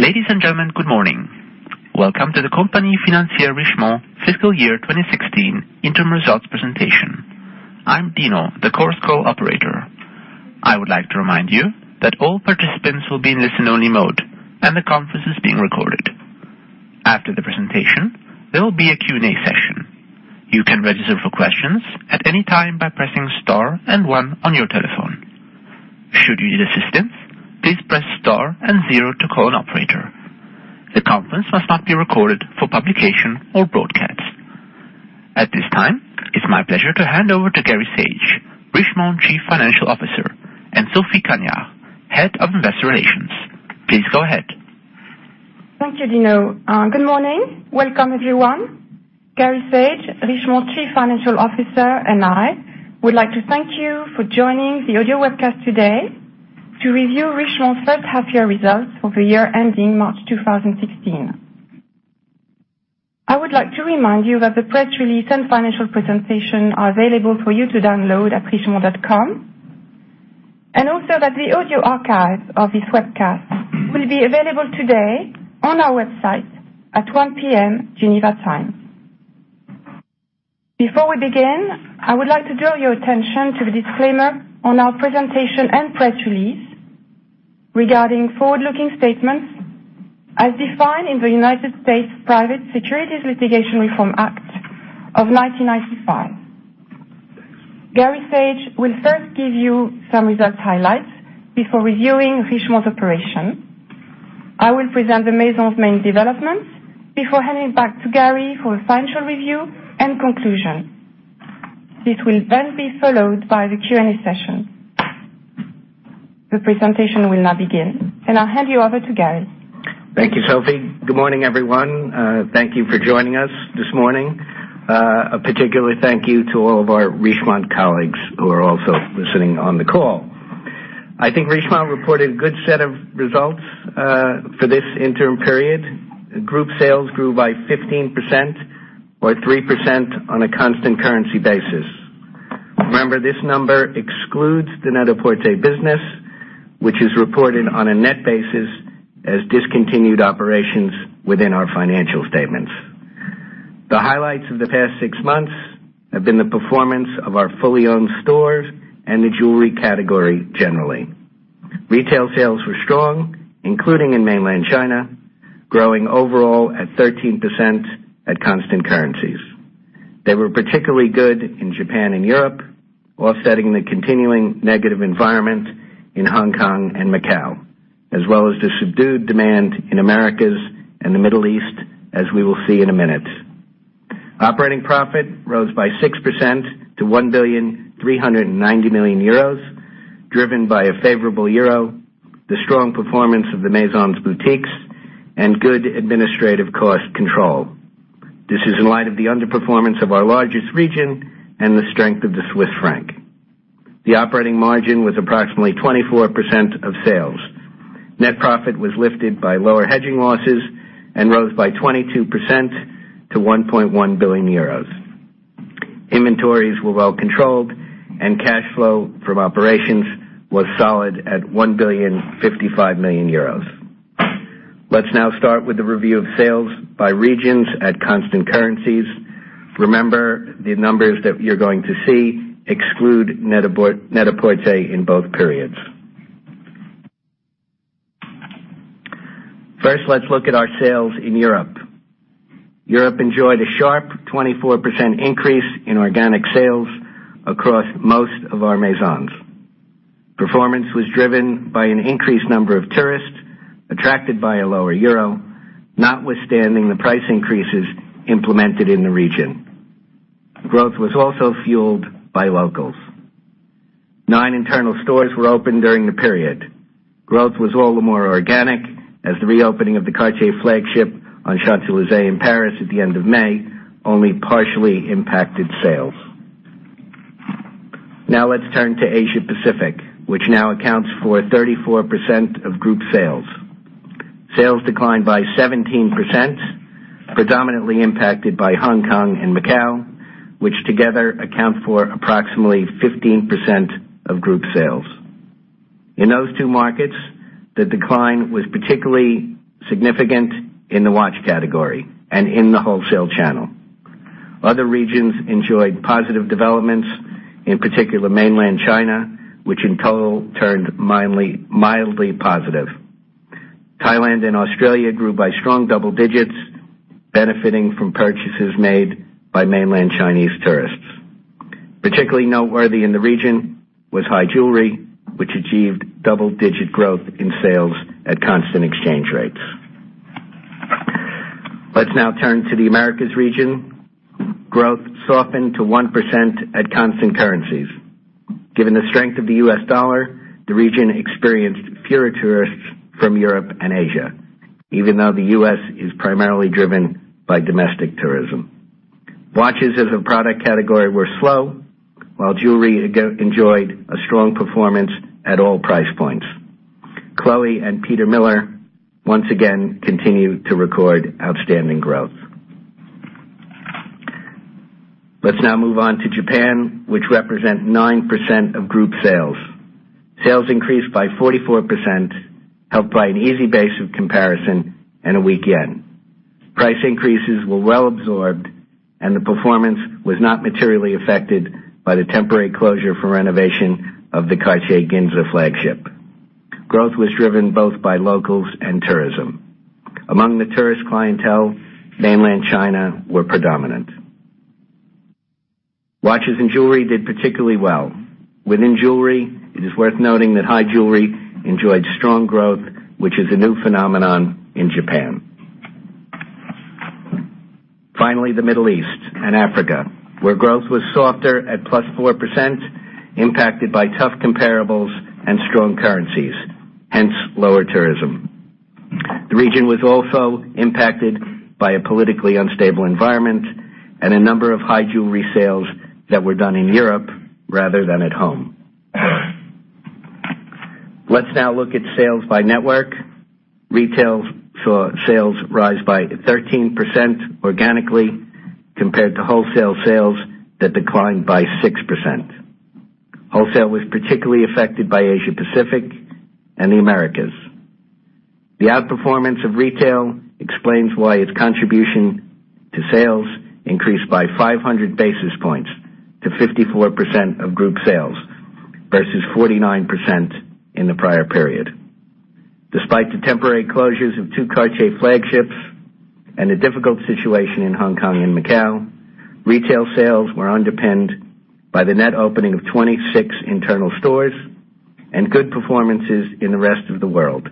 Ladies and gentlemen, good morning. Welcome to the Compagnie Financière Richemont fiscal year 2016 interim results presentation. I'm Dino, the Chorus Call operator. I would like to remind you that all participants will be in listen-only mode, and the conference is being recorded. After the presentation, there will be a Q&A session. You can register for questions at any time by pressing star and one on your telephone. Should you need assistance, please press star and zero to call an operator. The conference must not be recorded for publication or broadcast. At this time, it's my pleasure to hand over to Gary Saage, Richemont Chief Financial Officer, and Sophie Cagnard, Head of Investor Relations. Please go ahead. Thank you, Dino. Good morning. Welcome, everyone. Gary Saage, Richemont Chief Financial Officer, and I would like to thank you for joining the audio webcast today to review Richemont's first half year results for the year ending March 2016. I would like to remind you that the press release and financial presentation are available for you to download at richemont.com, and also that the audio archive of this webcast will be available today on our website at 1:00 P.M. Geneva time. Before we begin, I would like to draw your attention to the disclaimer on our presentation and press release regarding forward-looking statements as defined in the United States Private Securities Litigation Reform Act of 1995. Gary Saage will first give you some results highlights before reviewing Richemont operations. I will present the Maison's main developments before handing back to Gary for a financial review and conclusion. This will then be followed by the Q&A session. The presentation will now begin, I'll hand you over to Gary. Thank you, Sophie. Good morning, everyone. Thank you for joining us this morning. A particular thank you to all of our Richemont colleagues who are also listening on the call. I think Richemont reported a good set of results for this interim period. Group sales grew by 15%, or 3% on a constant currency basis. Remember, this number excludes the Net-a-Porter business, which is reported on a net basis as discontinued operations within our financial statements. The highlights of the past six months have been the performance of our fully owned stores and the jewelry category generally. Retail sales were strong, including in mainland China, growing overall at 13% at constant currencies. They were particularly good in Japan and Europe, offsetting the continuing negative environment in Hong Kong and Macau, as well as the subdued demand in Americas and the Middle East, as we will see in a minute. Operating profit rose by 6% to 1.39 billion, driven by a favorable euro, the strong performance of the Maison's boutiques, and good administrative cost control. This is in light of the underperformance of our largest region and the strength of the Swiss franc. The operating margin was approximately 24% of sales. Net profit was lifted by lower hedging losses and rose by 22% to 1.1 billion euros. Inventories were well controlled, and cash flow from operations was solid at 1.055 billion. Let's now start with the review of sales by regions at constant currencies. Remember, the numbers that you're going to see exclude Net-a-Porter in both periods. First, let's look at our sales in Europe. Europe enjoyed a sharp 24% increase in organic sales across most of our Maisons. Performance was driven by an increased number of tourists attracted by a lower euro, notwithstanding the price increases implemented in the region. Growth was also fueled by locals. Nine internal stores were opened during the period. Growth was all the more organic as the reopening of the Cartier flagship on Champs-Élysées in Paris at the end of May only partially impacted sales. Let's now turn to Asia-Pacific, which now accounts for 34% of group sales. Sales declined by 17%, predominantly impacted by Hong Kong and Macau, which together account for approximately 15% of group sales. In those two markets, the decline was particularly significant in the watch category and in the wholesale channel. Other regions enjoyed positive developments, in particular mainland China, which in total turned mildly positive. Thailand and Australia grew by strong double digits, benefiting from purchases made by mainland Chinese tourists. Particularly noteworthy in the region was high jewelry, which achieved double-digit growth in sales at constant exchange rates. Let's now turn to the Americas region. Growth softened to 1% at constant currencies. Given the strength of the US dollar, the region experienced fewer tourists from Europe and Asia, even though the U.S. is primarily driven by domestic tourism. Watches as a product category were slow, while jewelry enjoyed a strong performance at all price points. Chloé and Peter Millar once again continued to record outstanding growth. Let's now move on to Japan, which represents 9% of group sales. Sales increased by 44%, helped by an easy base of comparison and a weak yen. Price increases were well-absorbed, and the performance was not materially affected by the temporary closure for renovation of the Cartier Ginza flagship. Growth was driven both by locals and tourism. Among the tourist clientele, Mainland China were predominant. Watches and jewelry did particularly well. Within jewelry, it is worth noting that high jewelry enjoyed strong growth, which is a new phenomenon in Japan. The Middle East and Africa, where growth was softer at +4%, impacted by tough comparables and strong currencies, hence lower tourism. The region was also impacted by a politically unstable environment and a number of high jewelry sales that were done in Europe rather than at home. Let's now look at sales by network. Retail saw sales rise by 13% organically compared to wholesale sales that declined by 6%. Wholesale was particularly affected by Asia-Pacific and the Americas. The outperformance of retail explains why its contribution to sales increased by 500 basis points to 54% of group sales versus 49% in the prior period. Despite the temporary closures of two Cartier flagships and a difficult situation in Hong Kong and Macau, retail sales were underpinned by the net opening of 26 internal stores and good performances in the rest of the world,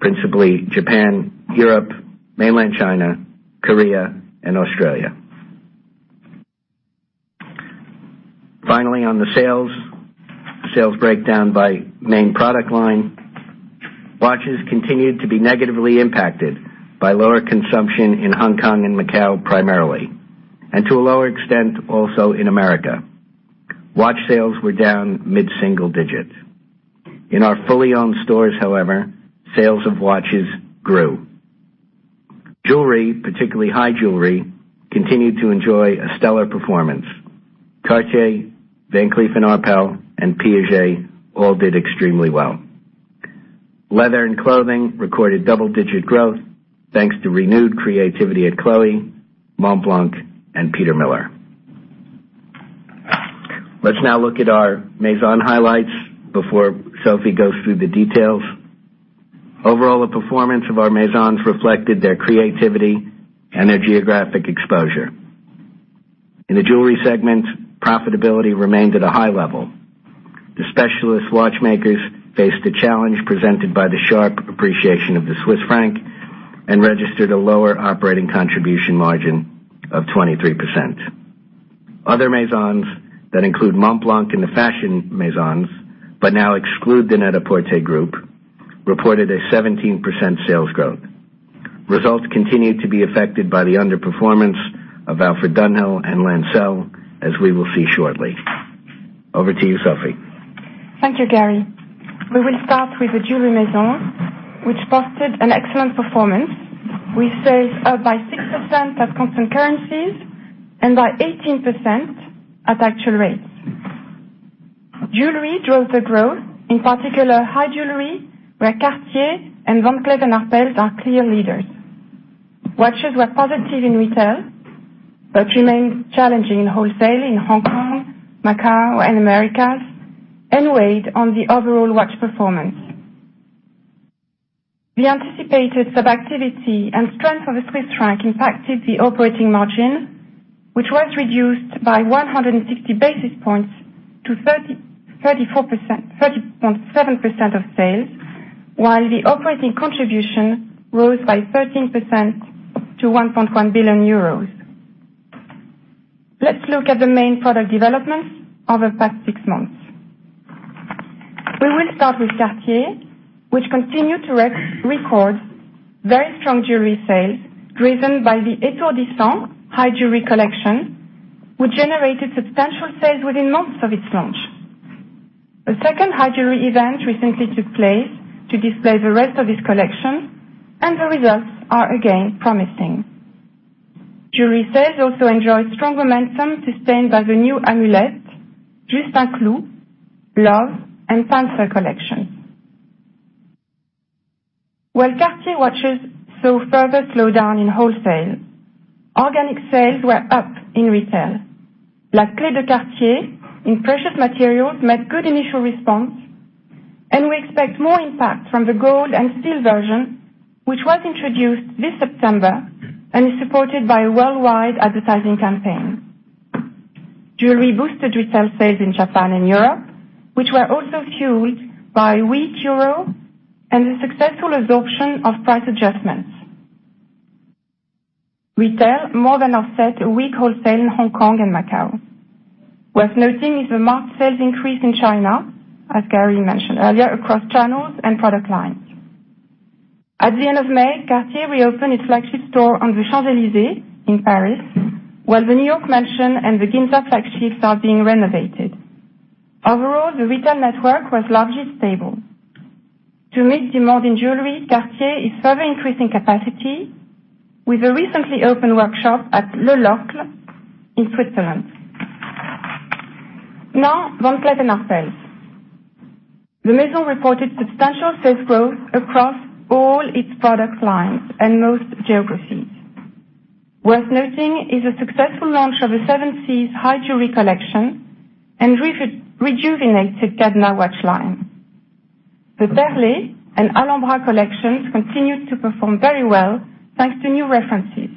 principally Japan, Europe, Mainland China, Korea, and Australia. Finally, on the sales breakdown by main product line, watches continued to be negatively impacted by lower consumption in Hong Kong and Macau primarily, and to a lower extent, also in America. Watch sales were down mid-single digits. In our fully owned stores, however, sales of watches grew. Jewelry, particularly high jewelry, continued to enjoy a stellar performance. Cartier, Van Cleef & Arpels, and Piaget all did extremely well. Leather and clothing recorded double-digit growth, thanks to renewed creativity at Chloé, Montblanc, and Peter Millar. Let's now look at our Maison highlights before Sophie goes through the details. Overall, the performance of our Maisons reflected their creativity and their geographic exposure. In the jewelry segment, profitability remained at a high level. The specialist watchmakers faced a challenge presented by the sharp appreciation of the Swiss franc and registered a lower operating contribution margin of 23%. Other Maisons that include Montblanc and the fashion Maisons, but now exclude the Net-a-Porter Group, reported a 17% sales growth. Results continued to be affected by the underperformance of Alfred Dunhill and Lancel, as we will see shortly. Over to you, Sophie. Thank you, Gary. We will start with the Jewelry Maison, which posted an excellent performance. We stayed up by 6% at constant currencies and by 18% at actual rates. Jewelry drove the growth, in particular high jewelry, where Cartier and Van Cleef & Arpels are clear leaders. Watches were positive in retail, but remained challenging in wholesale in Hong Kong, Macau, and Americas, and weighed on the overall watch performance. The anticipated subactivity and strength of the Swiss franc impacted the operating margin, which was reduced by 160 basis points to 30.7% of sales, while the operating contribution rose by 13% to 1.1 billion euros. Let's look at the main product developments over the past six months. We will start with Cartier, which continued to record very strong jewelry sales driven by the Étourdissant High Jewelry Collection, which generated substantial sales within months of its launch. A second high jewelry event recently took place to display the rest of this collection, and the results are again promising. Jewelry sales also enjoy strong momentum sustained by the new Amulette, Juste un Clou, Love, and Panthère collections. While Cartier watches saw further slowdown in wholesale, organic sales were up in retail. La Clé de Cartier in precious materials met good initial response, and we expect more impact from the gold and steel version, which was introduced this September and is supported by a worldwide advertising campaign. Jewelry boosted retail sales in Japan and Europe, which were also fueled by weak euro and the successful absorption of price adjustments. Retail more than offset a weak wholesale in Hong Kong and Macau. Worth noting is the marked sales increase in China, as Gary mentioned earlier, across channels and product lines. At the end of May, Cartier reopened its flagship store on the Champs-Élysées in Paris, while the New York Maison and the Ginza flagships are being renovated. Overall, the retail network was largely stable. To meet demand in jewelry, Cartier is further increasing capacity with a recently opened workshop at Le Locle in Switzerland. Van Cleef & Arpels. The Maison reported substantial sales growth across all its product lines and most geographies. Worth noting is a successful launch of the Seven Seas high jewelry collection and rejuvenated Cadenas watch line. The Perlée and Alhambra collections continued to perform very well thanks to new references.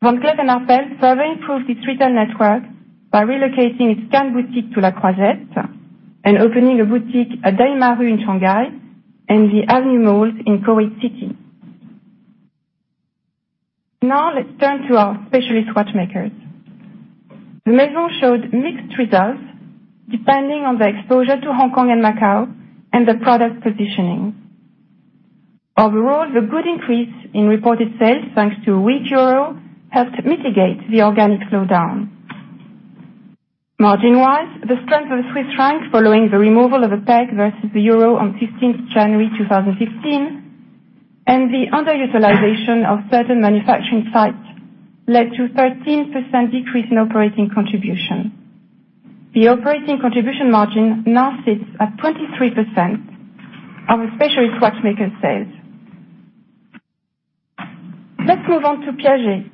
Van Cleef & Arpels further improved its retail network by relocating its Cannes boutique to La Croisette and opening a boutique at Daimaru in Shanghai and The Avenues Mall in Kuwait City. Let's turn to our specialist watchmakers. The Maison showed mixed results depending on the exposure to Hong Kong and Macau and the product positioning. Overall, the good increase in reported sales, thanks to weak euro, helped mitigate the organic slowdown. Margin-wise, the strength of the Swiss franc following the removal of a peg versus the euro on 15th January 2015, and the underutilization of certain manufacturing sites led to 13% decrease in operating contribution. The operating contribution margin now sits at 23% of specialist watchmaker sales. Move on to Piaget,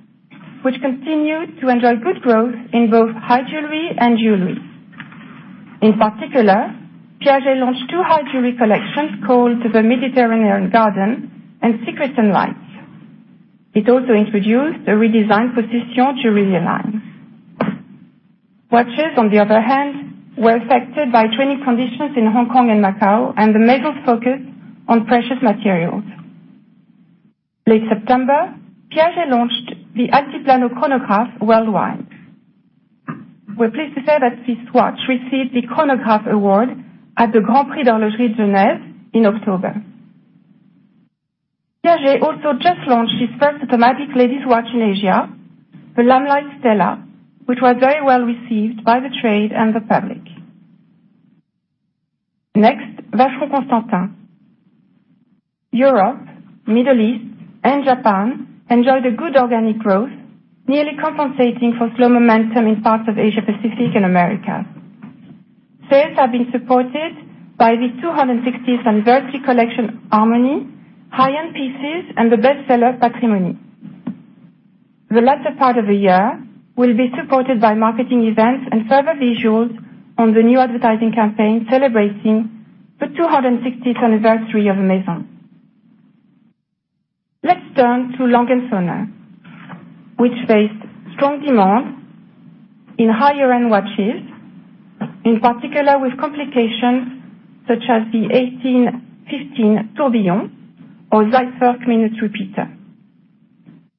which continued to enjoy good growth in both high jewelry and jewelry. In particular, Piaget launched two high jewelry collections called the Mediterranean Garden and Secrets & Lights. It also introduced a redesigned Possession Joaillerie line. Watches, on the other hand, were affected by trading conditions in Hong Kong and Macau and the metal focus on precious materials. Late September, Piaget launched the Altiplano Chronograph worldwide. We're pleased to say that this watch received the Chronograph Award at the Grand Prix d'Horlogerie de Genève in October. Piaget also just launched its first automatic ladies' watch in Asia, the Limelight Stella, which was very well-received by the trade and the public. Vacheron Constantin. Europe, Middle East, and Japan enjoyed a good organic growth, nearly compensating for slow momentum in parts of Asia-Pacific and America. Sales have been supported by the 260th anniversary collection Harmony, high-end pieces, and the bestseller Patrimony. The latter part of the year will be supported by marketing events and further visuals on the new advertising campaign celebrating the 260th anniversary of the Maison. Turn to A. Lange & Söhne, which faced strong demand in higher-end watches, in particular with complications such as the 1815 Tourbillon or Zeitwerk minute repeater.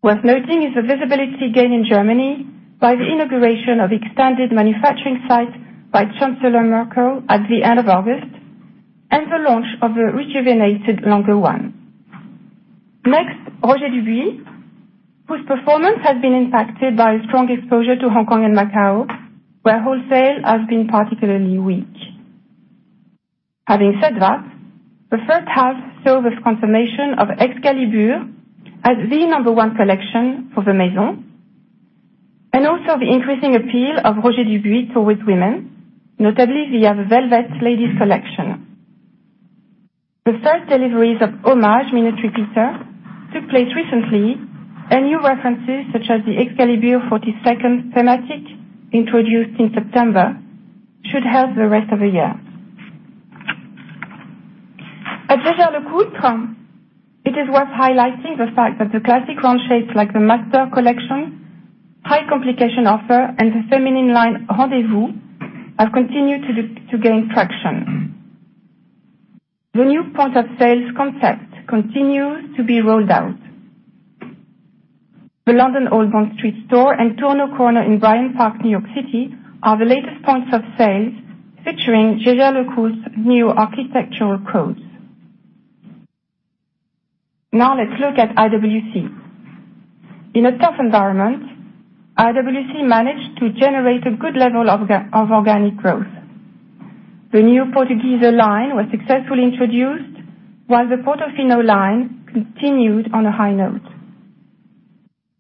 Worth noting is the visibility gain in Germany by the inauguration of extended manufacturing site by Chancellor Merkel at the end of August, and the launch of the rejuvenated Lange 1. Roger Dubuis, whose performance has been impacted by strong exposure to Hong Kong and Macau, where wholesale has been particularly weak. Having said that, the first half saw the confirmation of Excalibur as the number one collection for the Maison, and also the increasing appeal of Roger Dubuis towards women, notably via the Velvet ladies collection. The first deliveries of Hommage minute repeater took place recently, and new references such as the Excalibur 42 thematic, introduced in September, should help the rest of the year. At Jaeger-LeCoultre, it is worth highlighting the fact that the classic round shapes like the Master collection, high complication offer, and the feminine line Rendez-Vous have continued to gain traction. The new point of sales concept continues to be rolled out. The London Old Bond Street store and Tourneau Corner in Bryant Park, New York City, are the latest points of sales featuring Jaeger-LeCoultre's new architectural codes. Now let's look at IWC. In a tough environment, IWC managed to generate a good level of organic growth. The new Portugieser line was successfully introduced, while the Portofino line continued on a high note.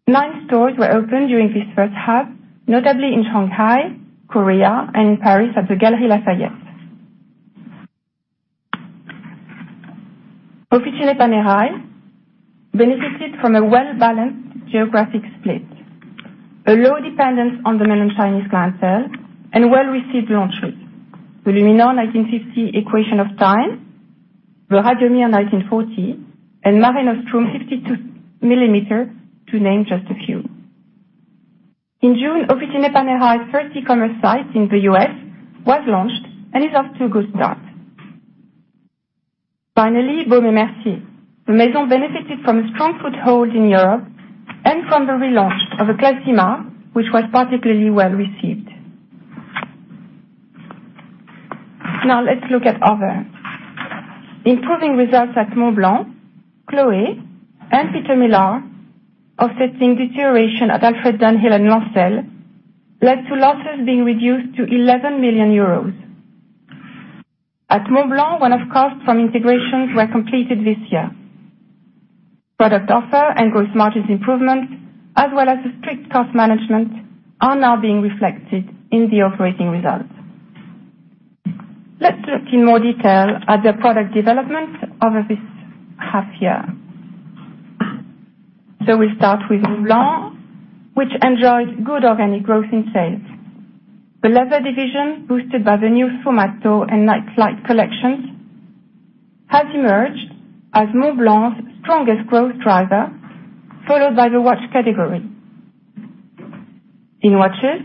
9 stores were opened during this first half, notably in Shanghai, Korea, and Paris at the Galeries Lafayette. Officine Panerai benefited from a well-balanced geographic split, a low dependence on the mainland Chinese clientele, and well-received launches. The Luminor 1950 Equation of Time, the Radiomir 1940, and Mare Nostrum 52 millimeter, to name just a few. In June, Officine Panerai first e-commerce site in the U.S. was launched and is off to a good start. Finally, Baume & Mercier. The Maison benefited from a strong foothold in Europe and from the relaunch of the Classima, which was particularly well-received. Now let's look at other. Improving results at Montblanc, Chloé, and Peter Millar offsetting deterioration at Alfred Dunhill and Lancel led to losses being reduced to 11 million euros. At Montblanc, one-off costs from integrations were completed this year. Product offer and growth margins improvement, as well as the strict cost management, are now being reflected in the operating results. We start with Montblanc, which enjoys good organic growth in sales. The leather division, boosted by the new Sfumato and Nightflight collections, has emerged as Montblanc's strongest growth driver, followed by the watch category. In watches,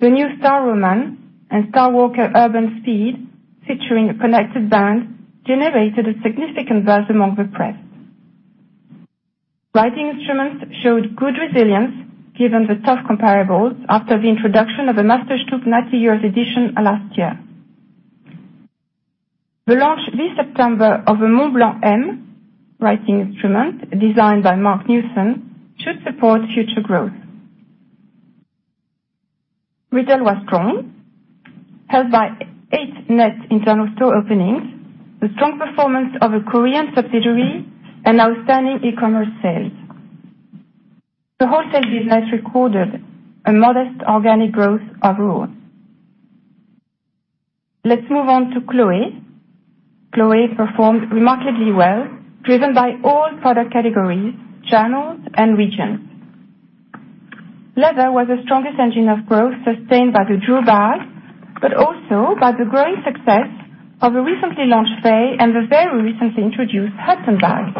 the new Star Roman and StarWalker Urban Speed, featuring a connected band, generated a significant buzz among the press. Writing instruments showed good resilience given the tough comparables after the introduction of the Meisterstück 90 Years Edition last year. The launch this September of the Montblanc M writing instrument, designed by Marc Newson, should support future growth. Retail was strong, helped by 8 net internal store openings, the strong performance of a Korean subsidiary, and outstanding e-commerce sales. The wholesale business recorded a modest organic growth overall. Let's move on to Chloé. Chloé performed remarkably well, driven by all product categories, channels, and regions. Leather was the strongest engine of growth, sustained by the Drew bag, but also by the growing success of the recently launched Faye and the very recently introduced Hudson bag.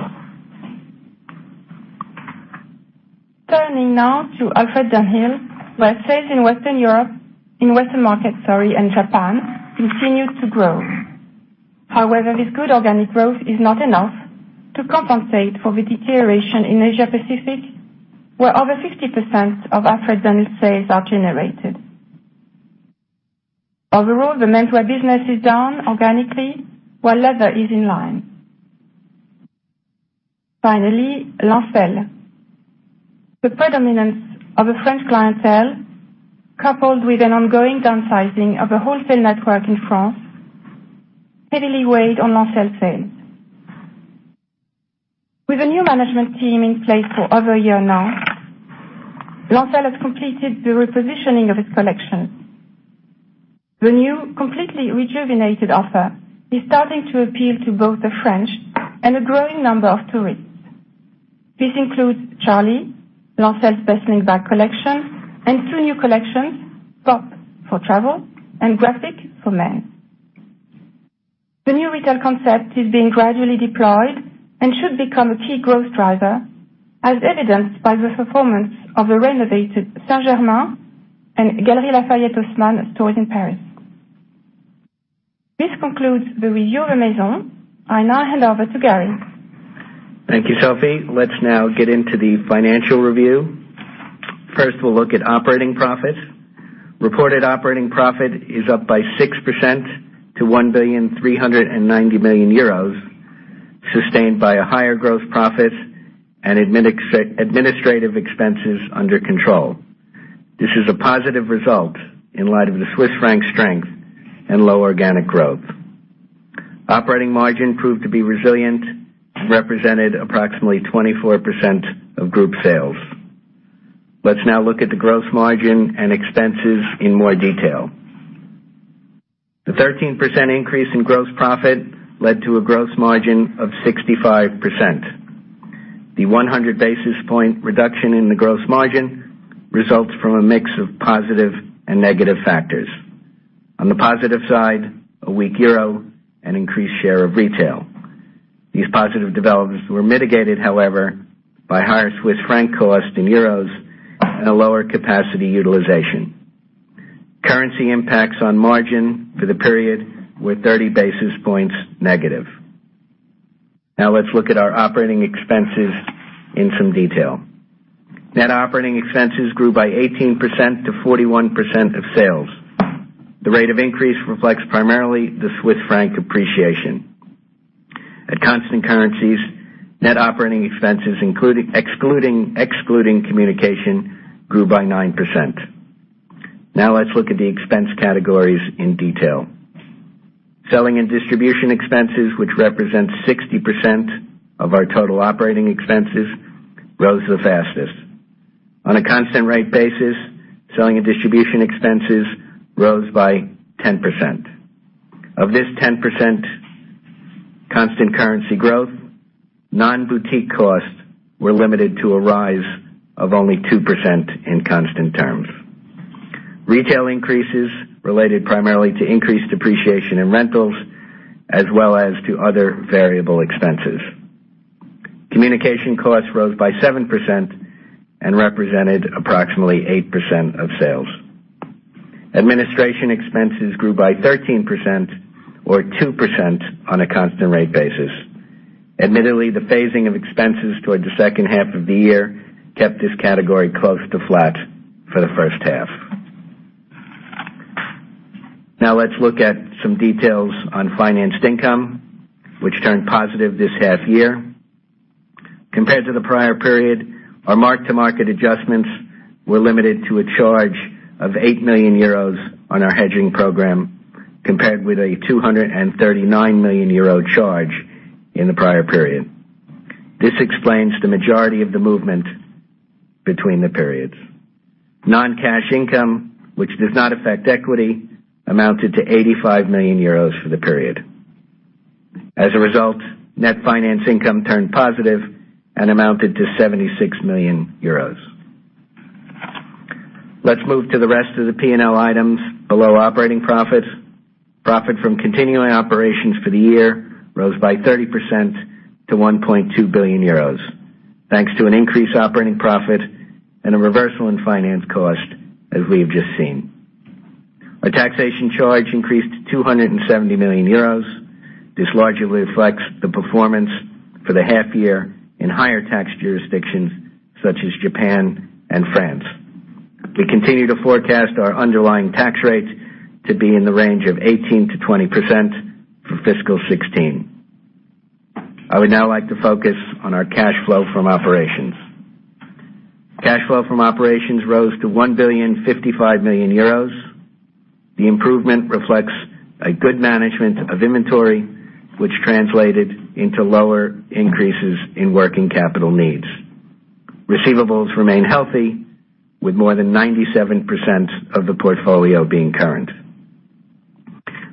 Turning now to Alfred Dunhill, where sales in Western markets and Japan continue to grow. However, this good organic growth is not enough to compensate for the deterioration in Asia Pacific, where over 50% of Alfred Dunhill sales are generated. Overall, the menswear business is down organically, while leather is in line. Finally, Lancel. The predominance of a French clientele, coupled with an ongoing downsizing of the wholesale network in France, heavily weighed on Lancel sales. With a new management team in place for over a year now, Lancel has completed the repositioning of its collections. The new, completely rejuvenated offer is starting to appeal to both the French and a growing number of tourists. This includes Charlie, Lancel's best-selling bag collection, and 2 new collections, Pop for travel and Graphic for men. The new retail concept is being gradually deployed and should become a key growth driver, as evidenced by the performance of the renovated Saint Germain and Galeries Lafayette Haussmann stores in Paris. This concludes the review of Maison. I now hand over to Gary. Thank you, Sophie. Let's now get into the financial review. First, we will look at operating profits. Reported operating profit is up by 6% to 1,390 million euros, sustained by higher gross profits and administrative expenses under control. This is a positive result in light of the Swiss franc strength and low organic growth. Operating margin proved to be resilient, represented approximately 24% of group sales. Let's now look at the gross margin and expenses in more detail. The 13% increase in gross profit led to a gross margin of 65%. The 100-basis-point reduction in the gross margin results from a mix of positive and negative factors. On the positive side, a weak euro and increased share of retail. These positive developments were mitigated, however, by higher Swiss franc cost in euros and a lower capacity utilization. Currency impacts on margin for the period were 30 basis points negative. Let's look at our operating expenses in some detail. Net operating expenses grew by 18% to 41% of sales. The rate of increase reflects primarily the Swiss franc appreciation. At constant currencies, net operating expenses excluding communication, grew by 9%. Let's look at the expense categories in detail. Selling and distribution expenses, which represents 60% of our total operating expenses, rose the fastest. On a constant rate basis, selling and distribution expenses rose by 10%. Of this 10% constant currency growth, non-boutique costs were limited to a rise of only 2% in constant terms. Retail increases related primarily to increased depreciation in rentals as well as to other variable expenses. Communication costs rose by 7% and represented approximately 8% of sales. Administration expenses grew by 13%, or 2% on a constant rate basis. Admittedly, the phasing of expenses towards the second half of the year kept this category close to flat for the first half. Let's look at some details on financed income, which turned positive this half year. Compared to the prior period, our mark-to-market adjustments were limited to a charge of 8 million euros on our hedging program, compared with a 239 million euro charge in the prior period. This explains the majority of the movement between the periods. Non-cash income, which does not affect equity, amounted to 85 million euros for the period. As a result, net finance income turned positive and amounted to 76 million euros. Let's move to the rest of the P&L items below operating profit. Profit from continuing operations for the year rose by 30% to 1.2 billion euros, thanks to an increased operating profit and a reversal in finance cost, as we have just seen. Our taxation charge increased to 270 million euros. This largely reflects the performance for the half year in higher tax jurisdictions such as Japan and France. We continue to forecast our underlying tax rates to be in the range of 18%-20% for fiscal 2016. I would now like to focus on our cash flow from operations. Cash flow from operations rose to 1,055 million euros. The improvement reflects a good management of inventory, which translated into lower increases in working capital needs. Receivables remain healthy with more than 97% of the portfolio being current.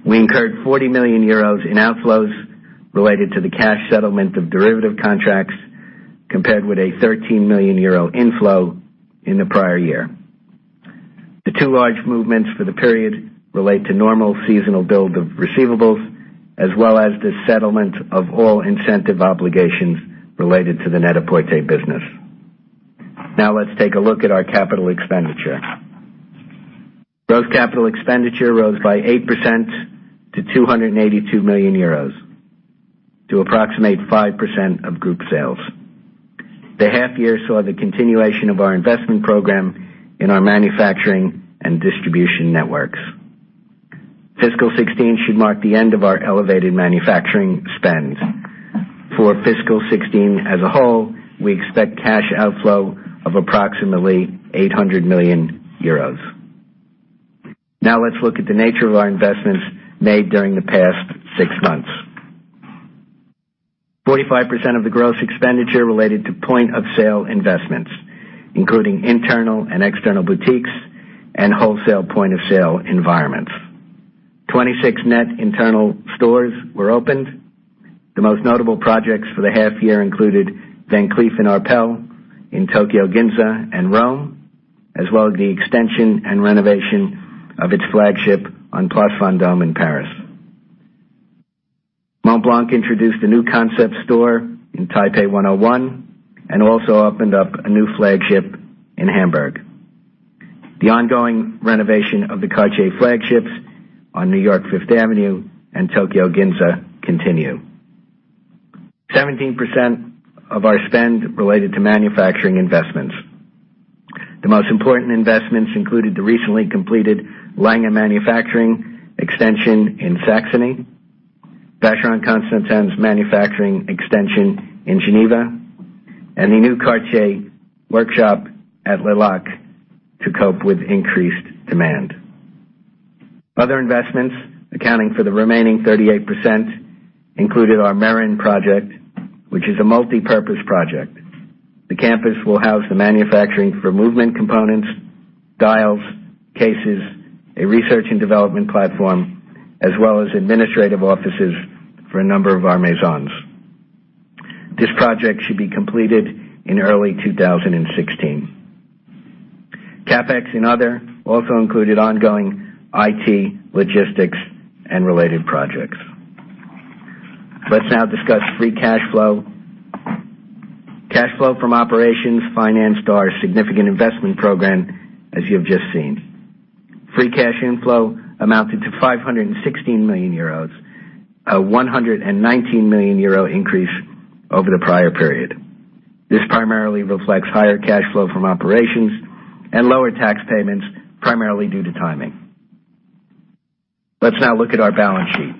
We incurred 40 million euros in outflows related to the cash settlement of derivative contracts, compared with a 13 million euro inflow in the prior year. The two large movements for the period relate to normal seasonal build of receivables, as well as the settlement of all incentive obligations related to the Net-a-Porter business. Let's take a look at our capital expenditure. Gross capital expenditure rose by 8% to 282 million euros, to approximate 5% of group sales. The half year saw the continuation of our investment program in our manufacturing and distribution networks. Fiscal 2016 should mark the end of our elevated manufacturing spend. For fiscal 2016 as a whole, we expect cash outflow of approximately 800 million euros. Let's look at the nature of our investments made during the past six months. 45% of the gross expenditure related to point-of-sale investments, including internal and external boutiques and wholesale point-of-sale environments. 26 net internal stores were opened. The most notable projects for the half year included Van Cleef & Arpels in Tokyo Ginza and Rome, as well as the extension and renovation of its flagship on Place Vendôme in Paris. Montblanc introduced a new concept store in Taipei 101 and also opened up a new flagship in Hamburg. The ongoing renovation of the Cartier flagships on New York Fifth Avenue and Tokyo Ginza continue. 17% of our spend related to manufacturing investments. The most important investments included the recently completed Lange manufacturing extension in Saxony, Vacheron Constantin's manufacturing extension in Geneva, and the new Cartier workshop at Le Locle to cope with increased demand. Other investments accounting for the remaining 38% included our Meyrin project, which is a multipurpose project. The campus will house the manufacturing for movement components, dials, cases, a research and development platform, as well as administrative offices for a number of our Maisons. This project should be completed in early 2016. CapEx in other also included ongoing IT, logistics, and related projects. Let's now discuss free cash flow. Cash flow from operations financed our significant investment program, as you have just seen. Free cash inflow amounted to 516 million euros, a 119 million euro increase over the prior period. This primarily reflects higher cash flow from operations and lower tax payments, primarily due to timing. Let's now look at our balance sheet.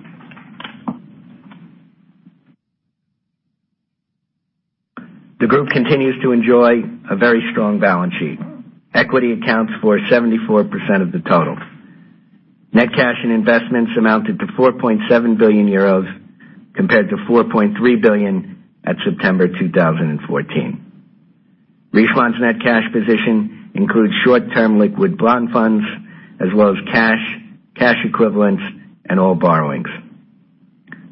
The group continues to enjoy a very strong balance sheet. Equity accounts for 74% of the total. Net cash and investments amounted to 4.7 billion euros compared to 4.3 billion at September 2014. Richemont's net cash position includes short-term liquid bond funds as well as cash equivalents, and all borrowings.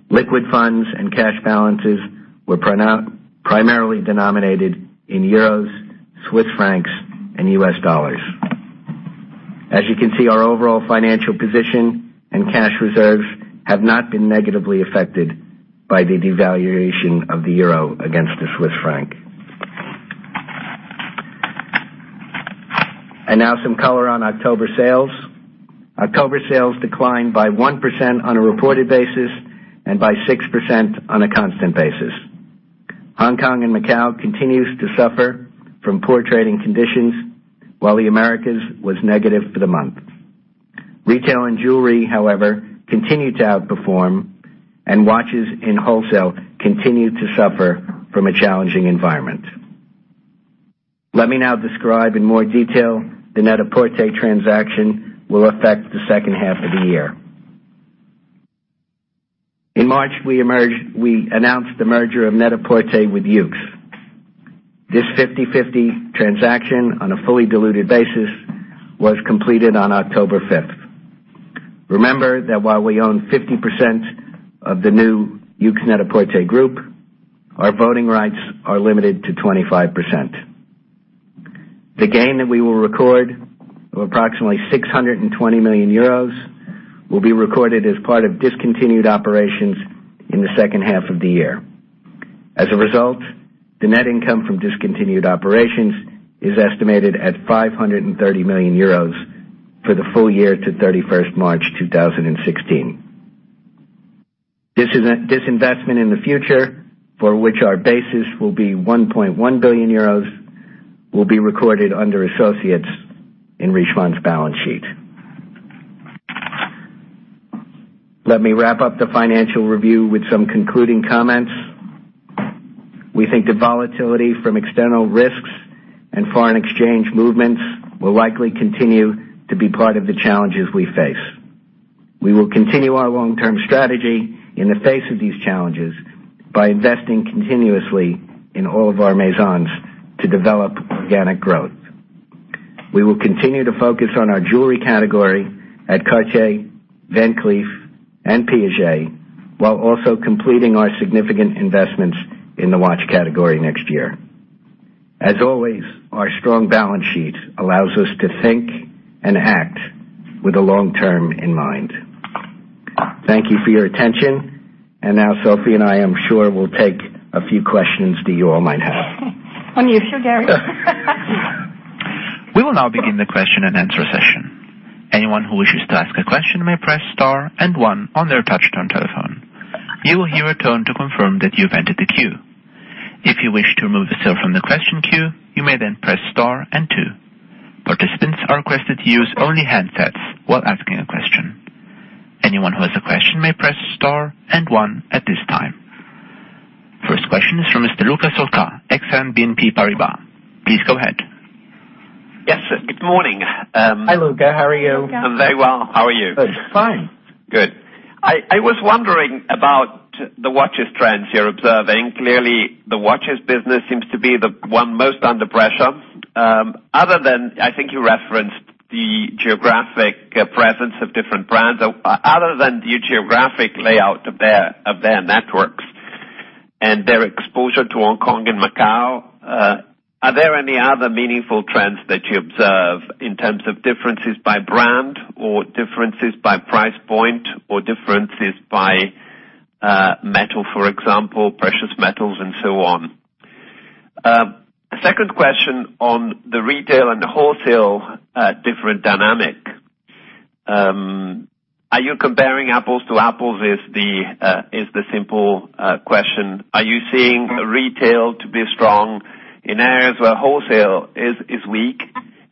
Liquid funds and cash balances were primarily denominated in euros, Swiss francs, and US dollars. As you can see, our overall financial position and cash reserves have not been negatively affected by the devaluation of the euro against the Swiss franc. Now some color on October sales. October sales declined by 1% on a reported basis and by 6% on a constant basis. Hong Kong and Macau continues to suffer from poor trading conditions, while the Americas was negative for the month. Retail and jewelry, however, continued to outperform, and watches in wholesale continued to suffer from a challenging environment. Let me now describe in more detail the Net-a-Porter transaction will affect the second half of the year. In March, we announced the merger of Net-a-Porter with Yoox. This 50/50 transaction on a fully diluted basis was completed on October 5th. Remember that while we own 50% of the new Yoox Net-a-Porter Group, our voting rights are limited to 25%. The gain that we will record of approximately €620 million will be recorded as part of discontinued operations in the second half of the year. As a result, the net income from discontinued operations is estimated at €530 million for the full year to 31st March 2016. This investment in the future, for which our basis will be €1.1 billion, will be recorded under associates in Richemont's balance sheet. Let me wrap up the financial review with some concluding comments. We think the volatility from external risks and foreign exchange movements will likely continue to be part of the challenges we face. We will continue our long-term strategy in the face of these challenges by investing continuously in all of our Maisons to develop organic growth. We will continue to focus on our jewelry category at Cartier, Van Cleef, and Piaget, while also completing our significant investments in the watch category next year. As always, our strong balance sheet allows us to think and act with the long term in mind. Thank you for your attention. Now Sophie and I'm sure, will take a few questions that you all might have. Unusual, Gary. We will now begin the question-and-answer session. Anyone who wishes to ask a question may press star and one on their touch-tone telephone. You will hear a tone to confirm that you've entered the queue. If you wish to remove yourself from the question queue, you may then press star and two. Participants are requested to use only handsets while asking a question. Anyone who has a question may press star and one at this time. First question is from Mr. Luca Solca, Exane BNP Paribas. Please go ahead. Yes, good morning. Hi, Luca. How are you? Hi, Luca. I'm very well. How are you? Good. Fine. Good. I was wondering about the watches trends you're observing. Clearly, the watches business seems to be the one most under pressure. I think you referenced the geographic presence of different brands. Other than the geographic layout of their networks and their exposure to Hong Kong and Macau, are there any other meaningful trends that you observe in terms of differences by brand or differences by price point or differences by metal, for example, precious metals and so on? Second question on the retail and wholesale different dynamic. Are you comparing apples to apples is the simple question. Are you seeing retail to be strong in areas where wholesale is weak?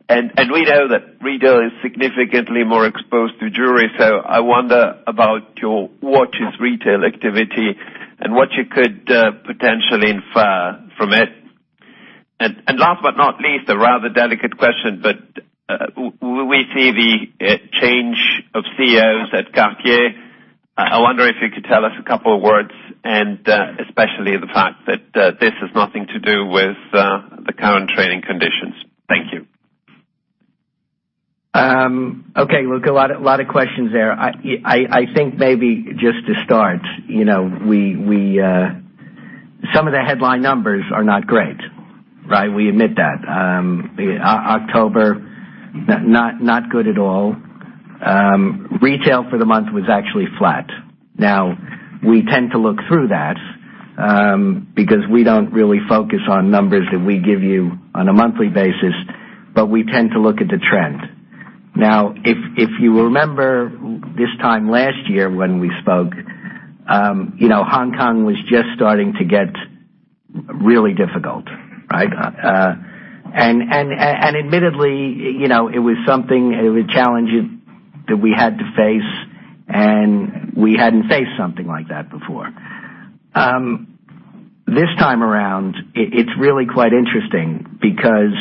We know that retail is significantly more exposed to jewelry, so I wonder about your watches retail activity and what you could potentially infer from it. Last but not least, a rather delicate question. Will we see the change of CEOs at Cartier? I wonder if you could tell us a couple of words, and especially the fact that this has nothing to do with the current trading conditions. Thank you. Luca, a lot of questions there. I think maybe just to start, some of the headline numbers are not great, right? We admit that. October, not good at all. Retail for the month was actually flat. We tend to look through that because we don't really focus on numbers that we give you on a monthly basis, but we tend to look at the trend. If you remember this time last year when we spoke, Hong Kong was just starting to get really difficult. Admittedly, it was a challenge that we had to face, and we hadn't faced something like that before. This time around, it's really quite interesting because,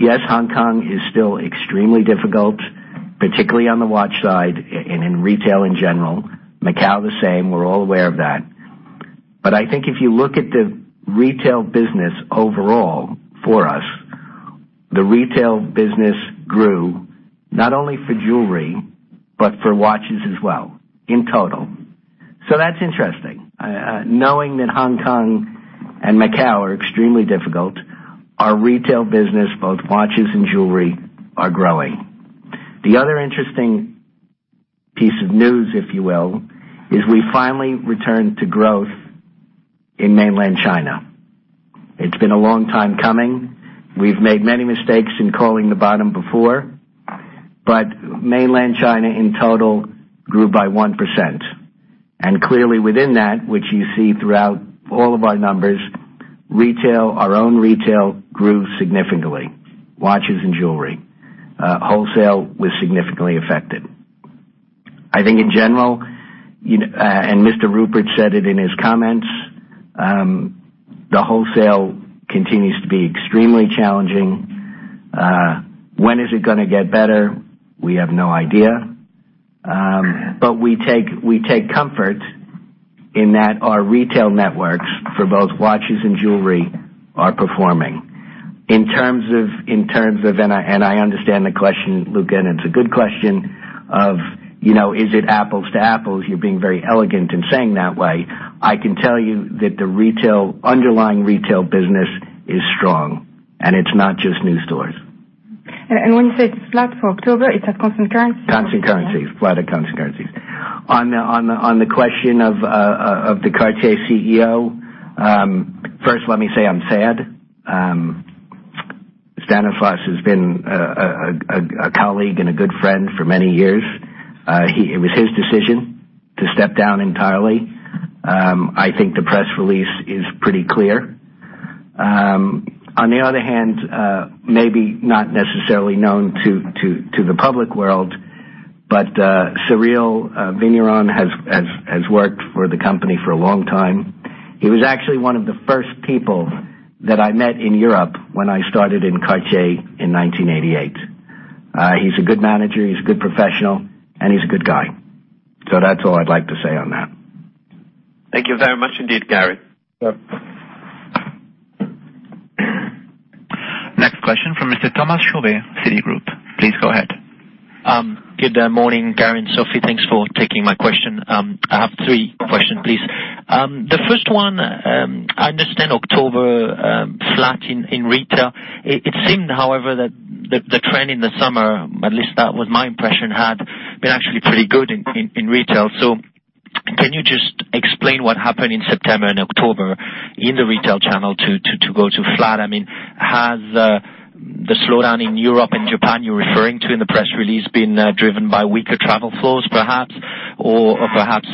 yes, Hong Kong is still extremely difficult, particularly on the watch side and in retail in general. Macau, the same. We're all aware of that. I think if you look at the retail business overall for us, the retail business grew not only for jewelry but for watches as well in total. That's interesting. Knowing that Hong Kong and Macau are extremely difficult, our retail business, both watches and jewelry, are growing. The other interesting piece of news, if you will, is we finally returned to growth in mainland China. It's been a long time coming. We've made many mistakes in calling the bottom before. Mainland China in total grew by 1%. Clearly within that, which you see throughout all of our numbers, our own retail grew significantly, watches and jewelry. Wholesale was significantly affected. I think in general, and Mr. Rupert said it in his comments, the wholesale continues to be extremely challenging. When is it going to get better? We have no idea. We take comfort in that our retail networks for both watches and jewelry are performing. In terms of, I understand the question, Luca, and it's a good question of, is it apples to apples? You're being very elegant in saying that way. I can tell you that the underlying retail business is strong, and it's not just new stores. When you say it's flat for October, it's at constant currency? Constant currencies. Flat at constant currencies. On the question of the Cartier CEO, first let me say I'm sad. Stanislas has been a colleague and a good friend for many years. It was his decision to step down entirely. I think the press release is pretty clear. On the other hand, maybe not necessarily known to the public world, but Cyrille Vigneron has worked for the company for a long time. He was actually one of the first people that I met in Europe when I started in Cartier in 1988. He's a good manager, he's a good professional, and he's a good guy. That's all I'd like to say on that. Thank you very much indeed, Gary. Sure. Next question from Mr. Thomas Chauvet, Citigroup. Please go ahead. Good morning, Gary and Sophie. Thanks for taking my question. I have three questions, please. The first one, I understand October flat in retail. It seemed, however, that the trend in the summer, at least that was my impression, had been actually pretty good in retail. Can you just explain what happened in September and October in the retail channel to go to flat? Has the slowdown in Europe and Japan you're referring to in the press release been driven by weaker travel flows, perhaps, or perhaps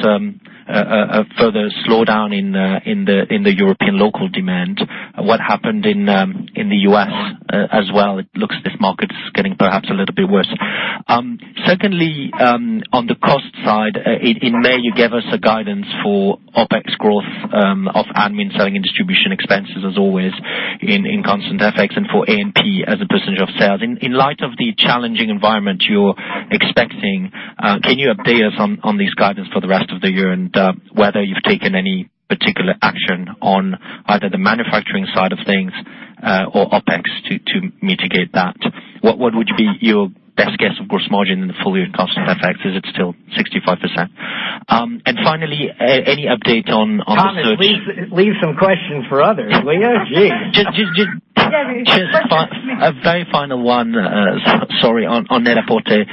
a further slowdown in the European local demand? What happened in the U.S. as well? It looks this market is getting perhaps a little bit worse. Secondly, on the cost side, in May, you gave us a guidance for OpEx growth of admin selling and distribution expenses as always in constant FX and for A&P as a % of sales. In light of the challenging environment you're expecting, can you update us on this guidance for the rest of the year and whether you've taken any particular action on either the manufacturing side of things or OpEx to mitigate that? What would be your best guess of gross margin in the full year at constant FX? Is it still 65%? Finally, any update on the search- Thomas, leave some questions for others, will you? Geez. Just- Gary, questions a very final one, sorry, on Net-a-Porter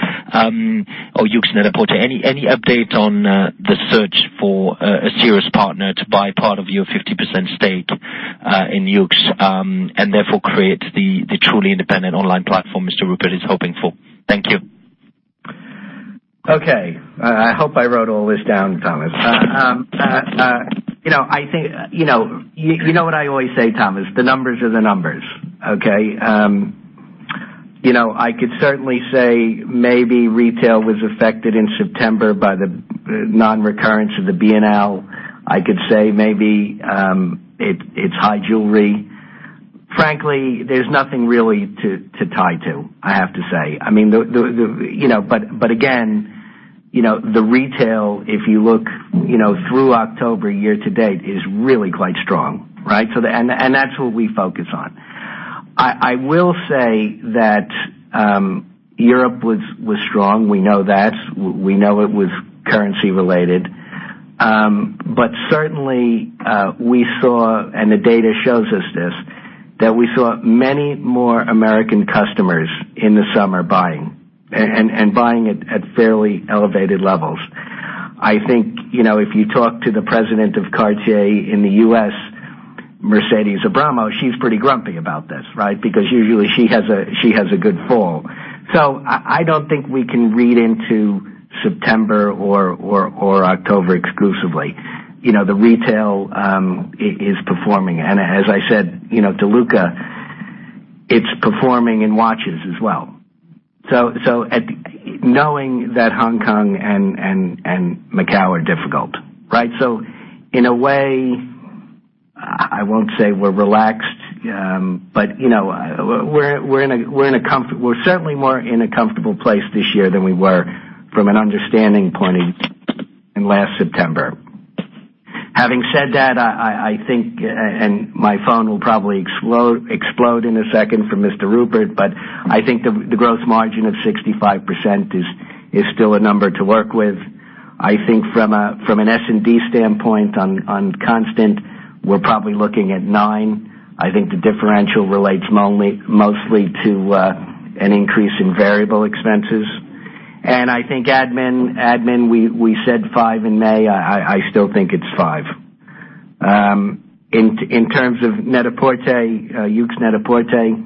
or Yoox Net-a-Porter. Any update on the search for a serious partner to buy part of your 50% stake in Yoox, and therefore create the truly independent online platform Mr. Rupert is hoping for? Thank you. Okay. I hope I wrote all this down, Thomas. You know what I always say, Thomas, the numbers are the numbers, okay? I could certainly say maybe retail was affected in September by the non-recurrence of the Biennale. I could say maybe it's high jewelry. Frankly, there's nothing really to tie to, I have to say. Again, the retail, if you look through October year to date, is really quite strong, right? That's what we focus on. I will say that Europe was strong. We know that. We know it was currency related. Certainly, we saw, and the data shows us this, that we saw many more American customers in the summer buying, and buying at fairly elevated levels. I think if you talk to the President of Cartier in the U.S., Mercedes Abramo, she's pretty grumpy about this, right? Because usually she has a good fall. I don't think we can read into September or October exclusively. The retail is performing. As I said to Luca, it's performing in watches as well. Knowing that Hong Kong and Macau are difficult, right? In a way, I won't say we're relaxed, but we're certainly more in a comfortable place this year than we were from an understanding point in last September. Having said that, I think, and my phone will probably explode in a second from Mr. Rupert, but I think the gross margin of 65% is still a number to work with. I think from an S&D standpoint on constant, we're probably looking at nine. I think the differential relates mostly to an increase in variable expenses. I think admin, we said five in May. I still think it's five. In terms of Net-a-Porter, Yoox Net-a-Porter,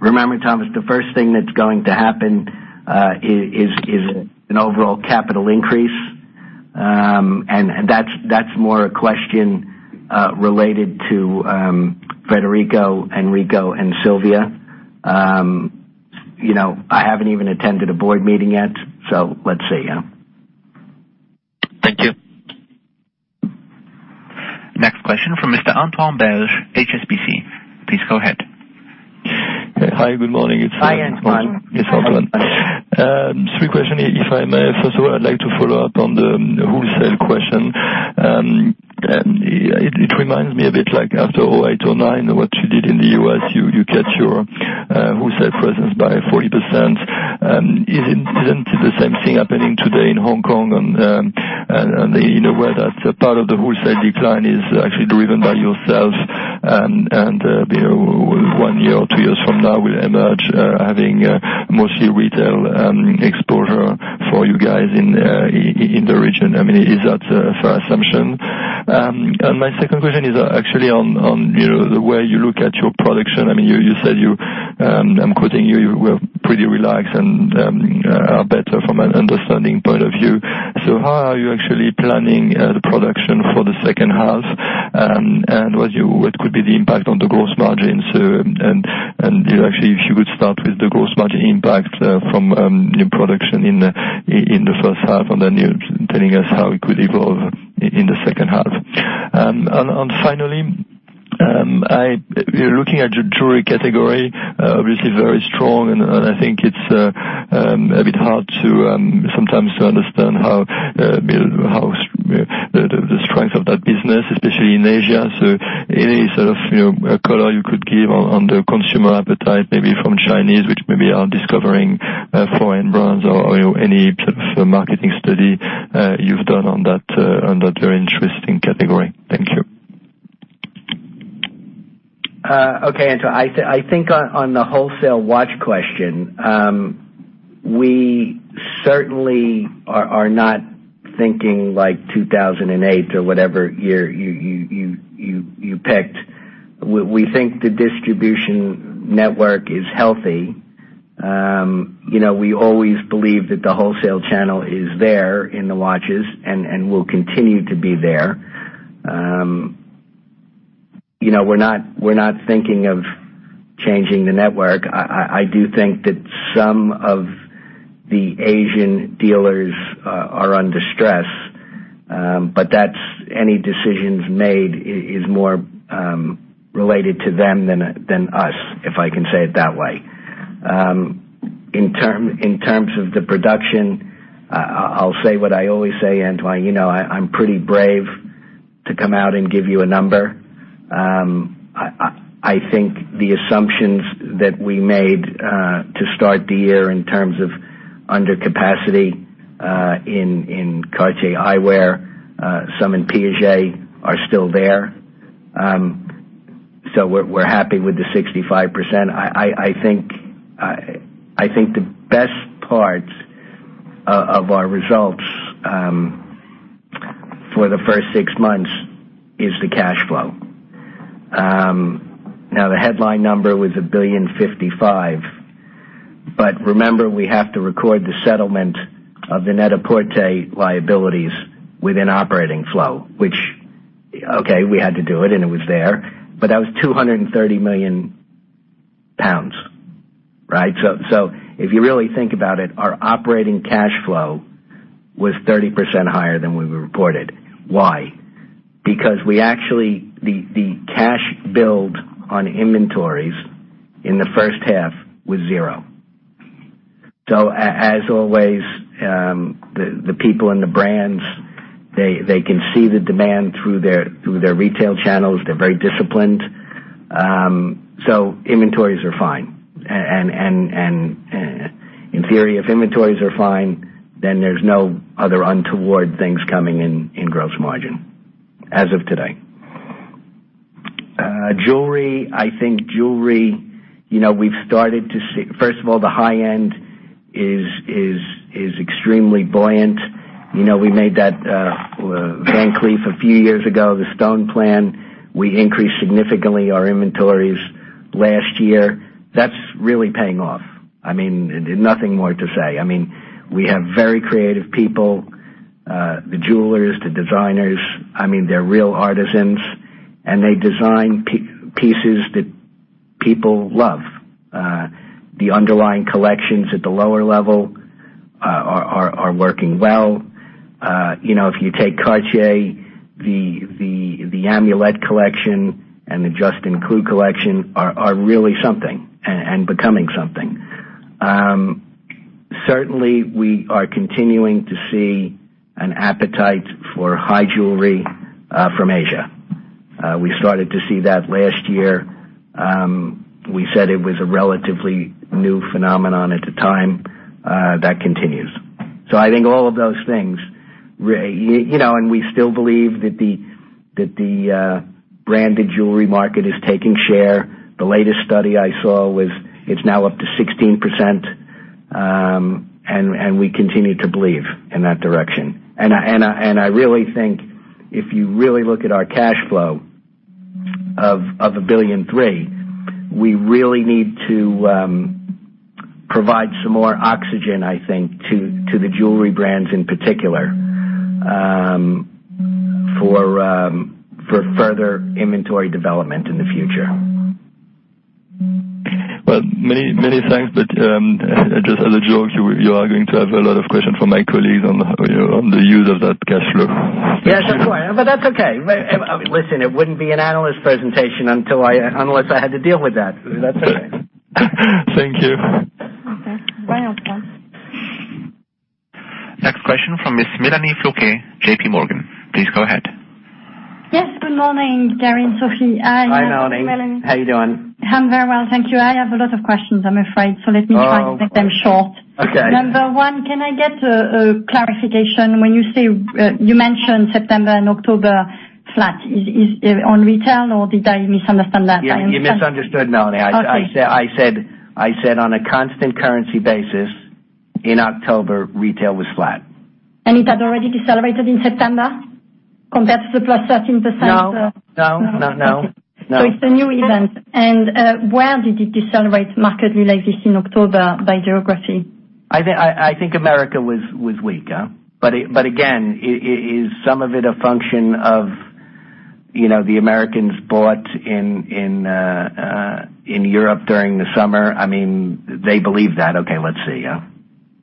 remember, Thomas, the first thing that's going to happen is an overall capital increase. That's more a question related to Federico, Enrico, and Silvia. I haven't even attended a board meeting yet, so let's see. Thank you. Next question from Mr. Antoine Belge, HSBC. Please go ahead. Hi, good morning. Hi, Antoine. Yes, Antoine. Three questions, if I may. First of all, I'd like to follow up on the wholesale question. It reminds me a bit like after 2008, 2009, what you did in the U.S., you cut your wholesale presence by 40%. Isn't the same thing happening today in Hong Kong? In a way that part of the wholesale decline is actually driven by yourselves and one year or two years from now will emerge having mostly retail exposure for you guys in the region. Is that a fair assumption? My second question is actually on the way you look at your production. You said you, I'm quoting you, "We're pretty relaxed and are better from an understanding point of view." So how are you actually planning the production for the second half? What could be the impact on the gross margins? Actually, if you could start with the gross margin impact from new production in the first half, then telling us how it could evolve in the second half. Finally, looking at your jewelry category, obviously very strong, and I think it's a bit hard sometimes to understand the strength of that business, especially in Asia. Any sort of color you could give on the consumer appetite, maybe from Chinese, which maybe are discovering foreign brands or any sort of marketing study you've done on that very interesting category. Thank you. Okay, Antoine. I think on the wholesale watch question, we certainly are not thinking like 2008 or whatever year you picked. We think the distribution network is healthy. We always believe that the wholesale channel is there in the watches and will continue to be there. We're not thinking of changing the network. I do think that some of the Asian dealers are under stress. Any decisions made is more related to them than us, if I can say it that way. In terms of the production, I'll say what I always say, Antoine. I'm pretty brave to come out and give you a number. I think the assumptions that we made to start the year in terms of under capacity in Cartier eyewear, some in Piaget, are still there. We're happy with the 65%. I think the best part of our results for the first six months is the cash flow. The headline number was 1.055 billion. Remember, we have to record the settlement of the Net-a-Porter liabilities within operating flow, which, okay, we had to do it, and it was there. That was 230 million pounds. If you really think about it, our operating cash flow was 30% higher than we reported. Why? Because the cash build on inventories in the first half was zero. As always, the people in the brands, they can see the demand through their retail channels. They're very disciplined. Inventories are fine. In theory, if inventories are fine, then there's no other untoward things coming in gross margin as of today. Jewelry, first of all, the high-end is extremely buoyant. We made that Van Cleef a few years ago, the stone plan. We increased significantly our inventories last year. That's really paying off. Nothing more to say. We have very creative people. The jewelers, the designers. They're real artisans, and they design pieces that people love. The underlying collections at the lower level are working well. If you take Cartier, the Amulette collection and the Juste un Clou collection are really something and becoming something. Certainly, we are continuing to see an appetite for high jewelry from Asia. We started to see that last year. We said it was a relatively new phenomenon at the time. That continues. I think all of those things. We still believe that the branded jewelry market is taking share. The latest study I saw was it's now up to 16%. We continue to believe in that direction. I really think if you really look at our cash flow of 1.3 billion, we really need to provide some more oxygen, I think, to the jewelry brands in particular for further inventory development in the future. Many thanks. Just a little joke, you are going to have a lot of questions from my colleagues on the use of that cash flow. That's right. That's okay. Listen, it wouldn't be an analyst presentation unless I had to deal with that. That's okay. Thank you. Okay. Next question from Ms. Mélanie Flouquet, JPMorgan. Please go ahead. Yes. Good morning, Gary and Sophie. Hi, Mélanie. How are you doing? I'm very well, thank you. I have a lot of questions, I'm afraid. Let me try to keep them short. Okay. Number one, can I get a clarification when you mention September and October flat, is it on retail, or did I misunderstand that? You misunderstood, Mélanie. Okay. I said on a constant currency basis in October, retail was flat. It had already decelerated in September compared to the plus 13%? No. Okay. No. It's a new event. Where did it decelerate markedly like this in October by geography? I think the U.S. was weak. Again, is some of it a function of the Americans bought in Europe during the summer? They believe that. Let's see.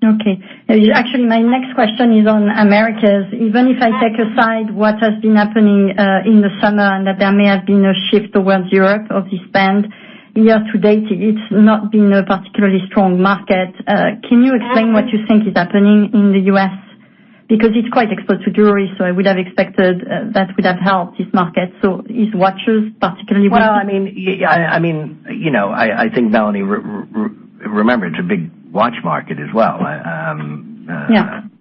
Actually, my next question is on Americas. Even if I take aside what has been happening in the summer, and that there may have been a shift towards Europe of the spend, year to date, it's not been a particularly strong market. Can you explain what you think is happening in the U.S.? Because it's quite exposed to jewelry, I would have expected that would have helped this market. Is watches particularly weak? I think, Mélanie, remember, it's a big watch market as well. Yeah.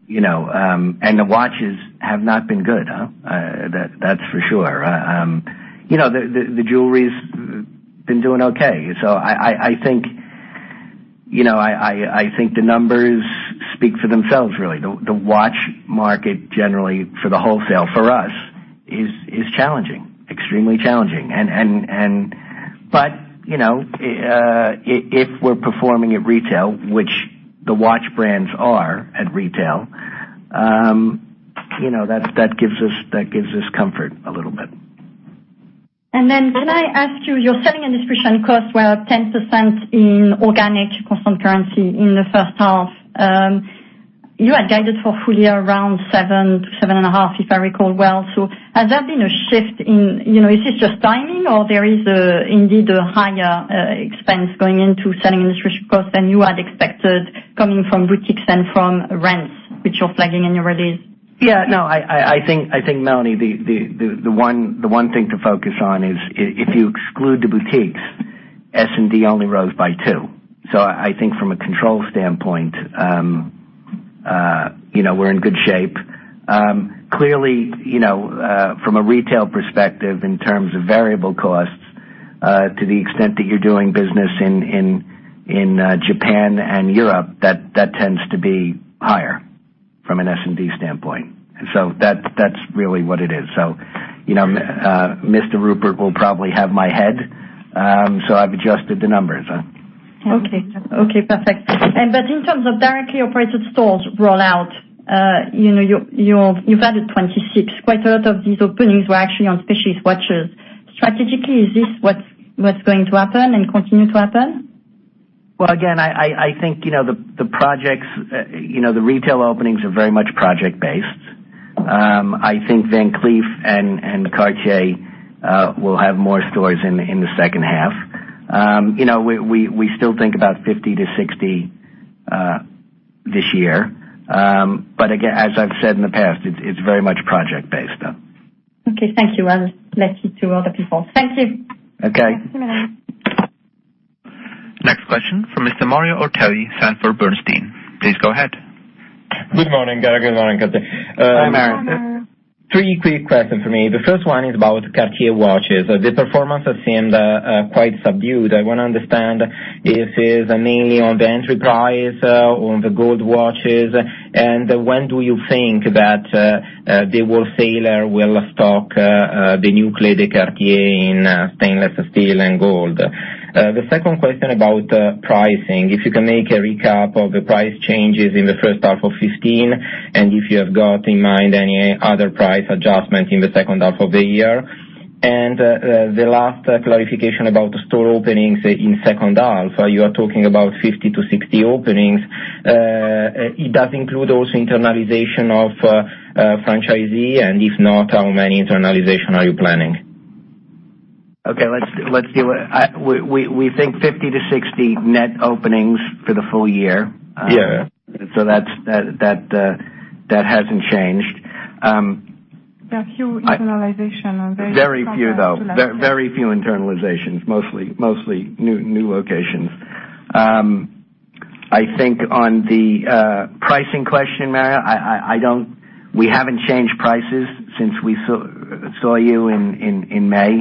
The watches have not been good. That's for sure. The jewelry's been doing okay. I think the numbers speak for themselves, really. The watch market generally for the wholesale for us is challenging, extremely challenging. If we're performing at retail, which the watch brands are at retail, that gives us comfort a little bit. Can I ask you, your selling and distribution costs were up 10% in organic constant currency in the first half. You had guided for full-year around 7%-7.5%, if I recall well. Has there been a shift in, is this just timing or there is indeed a higher expense going into selling distribution costs than you had expected coming from boutiques and from rents, which you're flagging in your release? Mélanie, the one thing to focus on is if you exclude the boutiques, S&D only rose by 2%. I think from a control standpoint, we're in good shape. Clearly, from a retail perspective in terms of variable costs, to the extent that you're doing business in Japan and Europe, that tends to be higher from an S&D standpoint. That's really what it is. Mr. Rupert will probably have my head, so I've adjusted the numbers. In terms of directly operated stores rollout, you've added 26. Quite a lot of these openings were actually on prestige watches. Strategically, is this what's going to happen and continue to happen? Again, I think the retail openings are very much project based. I think Van Cleef and Cartier will have more stores in the second half. We still think about 50 to 60 this year. As I've said in the past, it's very much project based though. Okay. Thank you. I'll let you to other people. Thank you. Okay. Thanks, Mélanie. Next question from Mr. Mario Ortelli, Sanford Bernstein. Please go ahead. Good morning, Gary. Good morning. Hi, Mario. Good morning, Mario. Three quick questions for me. The first one is about Cartier watches. The performance has seemed quite subdued. I want to understand if it is mainly on the entry price on the gold watches, and when do you think that the wholesaler will stock the new Clé de Cartier in stainless steel and gold. The second question about pricing, if you can make a recap of the price changes in the first half of 2015, if you have got in mind any other price adjustments in the second half of the year. The last clarification about the store openings in second half. You are talking about 50 to 60 openings. It does include also internalization of franchisee, and if not, how many internalization are you planning? Okay. We think 50 to 60 net openings for the full year. Yeah. That hasn't changed. There are few internalization. Very few, though. Very few internalizations. Mostly new locations. I think on the pricing question, Mario, we haven't changed prices since we saw you in May.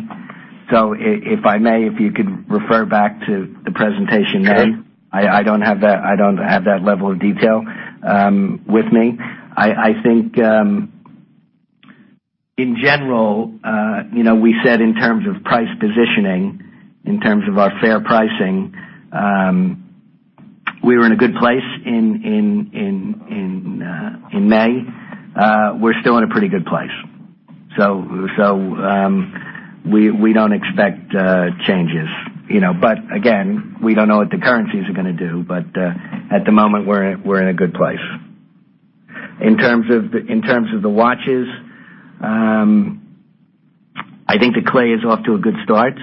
If I may, if you could refer back to the presentation then. Sure. I don't have that level of detail with me. I think, in general, we said in terms of price positioning, in terms of our fair pricing, we were in a good place in May. We're still in a pretty good place. We don't expect changes. Again, we don't know what the currencies are going to do, but at the moment, we're in a good place. In terms of the watches, I think the Clé is off to a good start.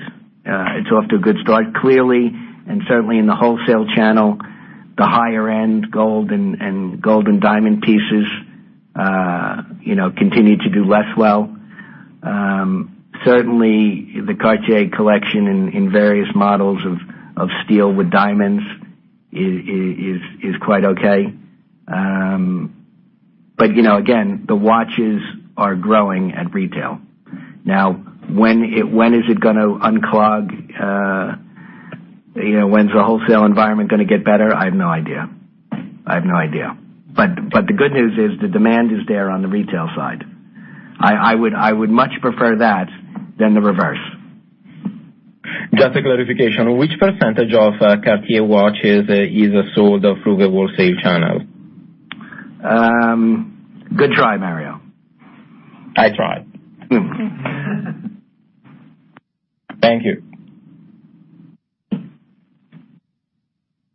It's off to a good start, clearly, and certainly in the wholesale channel, the higher-end gold and diamond pieces continue to do less well. Certainly, the Cartier collection in various models of steel with diamonds is quite okay. Again, the watches are growing at retail. Now, when is it going to unclog? When's the wholesale environment going to get better? I have no idea. The good news is the demand is there on the retail side. I would much prefer that than the reverse. Just a clarification. Which percentage of Cartier watches is sold through the wholesale channel? Good try, Mario. I tried. Thank you.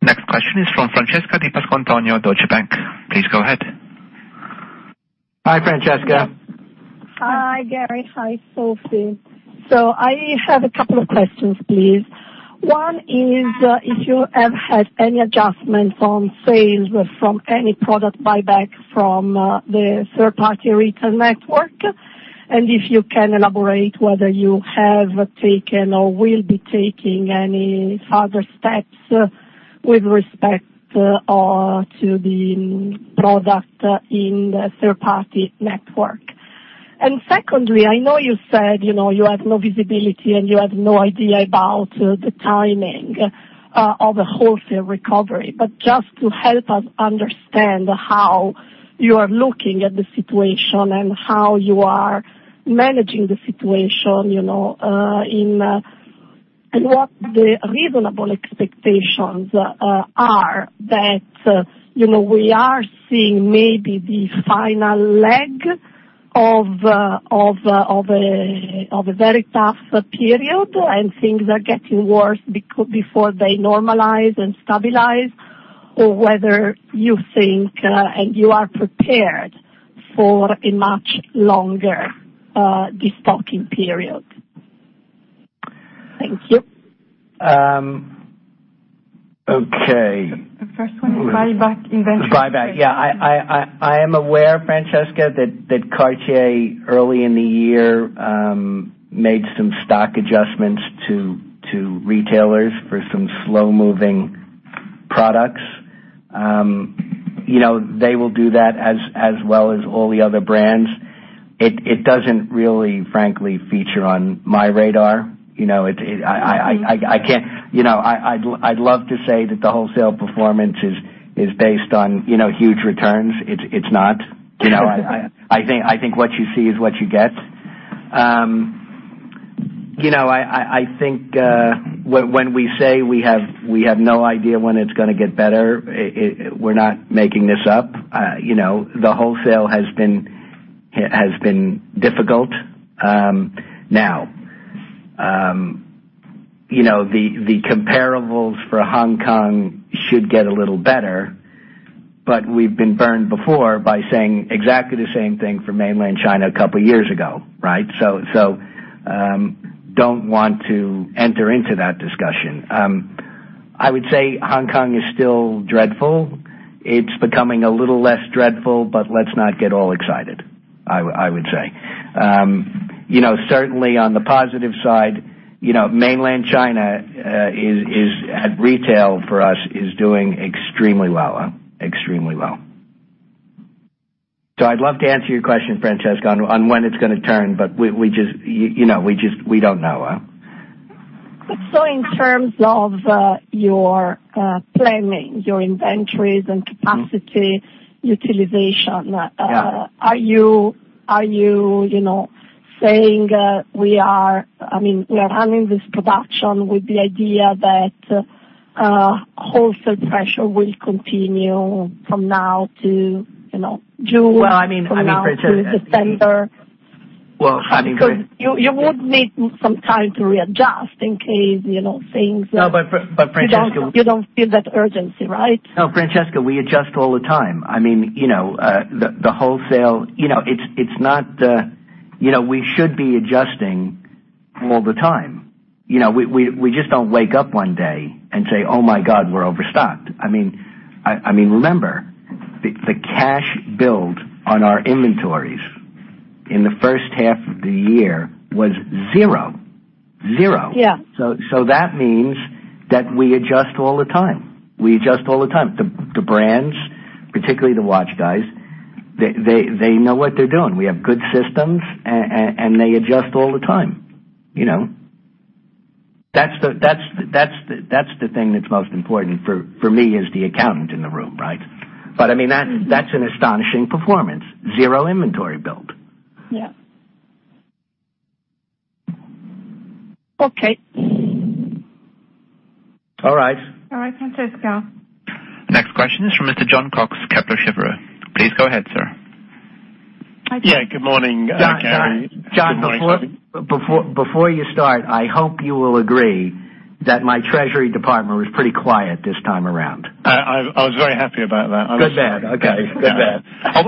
Next question is from Francesca Di Pasquantonio, Deutsche Bank. Please go ahead. Hi, Francesca. Hi, Gary. Hi, Sophie. I have a couple of questions, please. One is if you have had any adjustments on sales from any product buyback from the third-party retail network, and if you can elaborate whether you have taken or will be taking any further steps with respect to the product in the third-party network. Secondly, I know you said you have no visibility and you have no idea about the timing of a wholesale recovery, but just to help us understand how you are looking at the situation and how you are managing the situation, and what the reasonable expectations are that we are seeing maybe the final leg of a very tough period and things are getting worse before they normalize and stabilize, or whether you think, and you are prepared for a much longer destocking period. Thank you. Okay. The first one is buyback inventory. The buyback. Yeah. I am aware, Francesca, that Cartier early in the year made some stock adjustments to retailers for some slow-moving products. They will do that as well as all the other brands. It doesn't really, frankly, feature on my radar. I'd love to say that the wholesale performance is based on huge returns. It's not. I think what you see is what you get. I think when we say we have no idea when it's going to get better, we're not making this up. The wholesale has been difficult. The comparables for Hong Kong should get a little better, we've been burned before by saying exactly the same thing for mainland China a couple of years ago, right? Don't want to enter into that discussion. I would say Hong Kong is still dreadful. It's becoming a little less dreadful, let's not get all excited, I would say. Certainly, on the positive side, mainland China at retail for us is doing extremely well. I'd love to answer your question, Francesca, on when it's going to turn, we don't know. In terms of your planning, your inventories and capacity utilization- Yeah. are you saying, we are running this production with the idea that wholesale pressure will continue from now to June? Well, I mean, Francesca. from now through December? Well, I mean. You would need some time to readjust. No, Francesca. You don't feel that urgency, right? No, Francesca, we adjust all the time. I mean, the wholesale, we should be adjusting all the time. We just don't wake up one day and say, "Oh my God, we're overstocked." I mean, remember, the cash build on our inventories in the first half of the year was zero. Zero. Yeah. That means that we adjust all the time. The brands, particularly the watch guys. They know what they're doing. We have good systems, and they adjust all the time. That's the thing that's most important for me as the accountant in the room, right? That's an astonishing performance. Zero inventory build. Yeah. Okay. All right. All right, Francesca. The next question is from Mr. Jon Cox, Kepler Cheuvreux. Please go ahead, sir. Hi, Jon. Yeah. Good morning, Gary. Jon, before you start, I hope you will agree that my treasury department was pretty quiet this time around. I was very happy about that. Good man. Okay. Good man.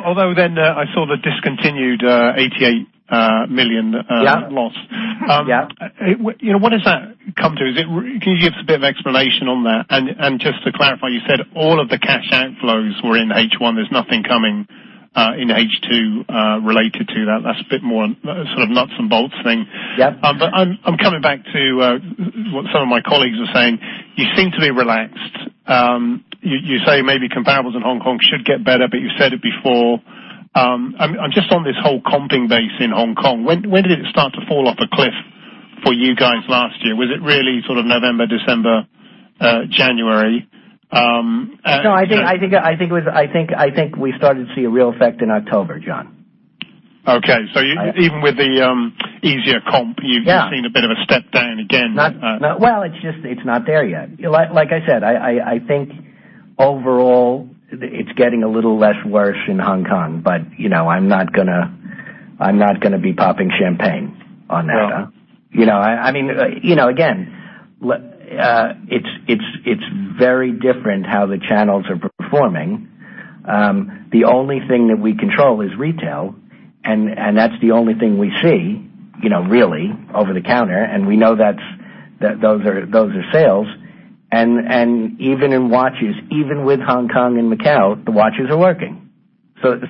Although I saw the discontinued 88 million. Yeah loss. Yeah. What does that come to? Can you give us a bit of explanation on that? Just to clarify, you said all of the cash outflows were in H1. There's nothing coming in H2 related to that. That's a bit more sort of nuts and bolts thing. Yeah. I'm coming back to what some of my colleagues are saying. You seem to be relaxed. You say maybe comparables in Hong Kong should get better, but you've said it before. Just on this whole comping base in Hong Kong, when did it start to fall off a cliff for you guys last year? Was it really sort of November, December, January? I think we started to see a real effect in October, John. Even with the easier comp- Yeah You've seen a bit of a step down again. Well, it's not there yet. Like I said, I think overall it's getting a little less worse in Hong Kong. I'm not going to be popping champagne on that. No. Again, it's very different how the channels are performing. The only thing that we control is retail, and that's the only thing we see, really, over the counter, and we know those are sales. Even in watches, even with Hong Kong and Macau, the watches are working. Okay,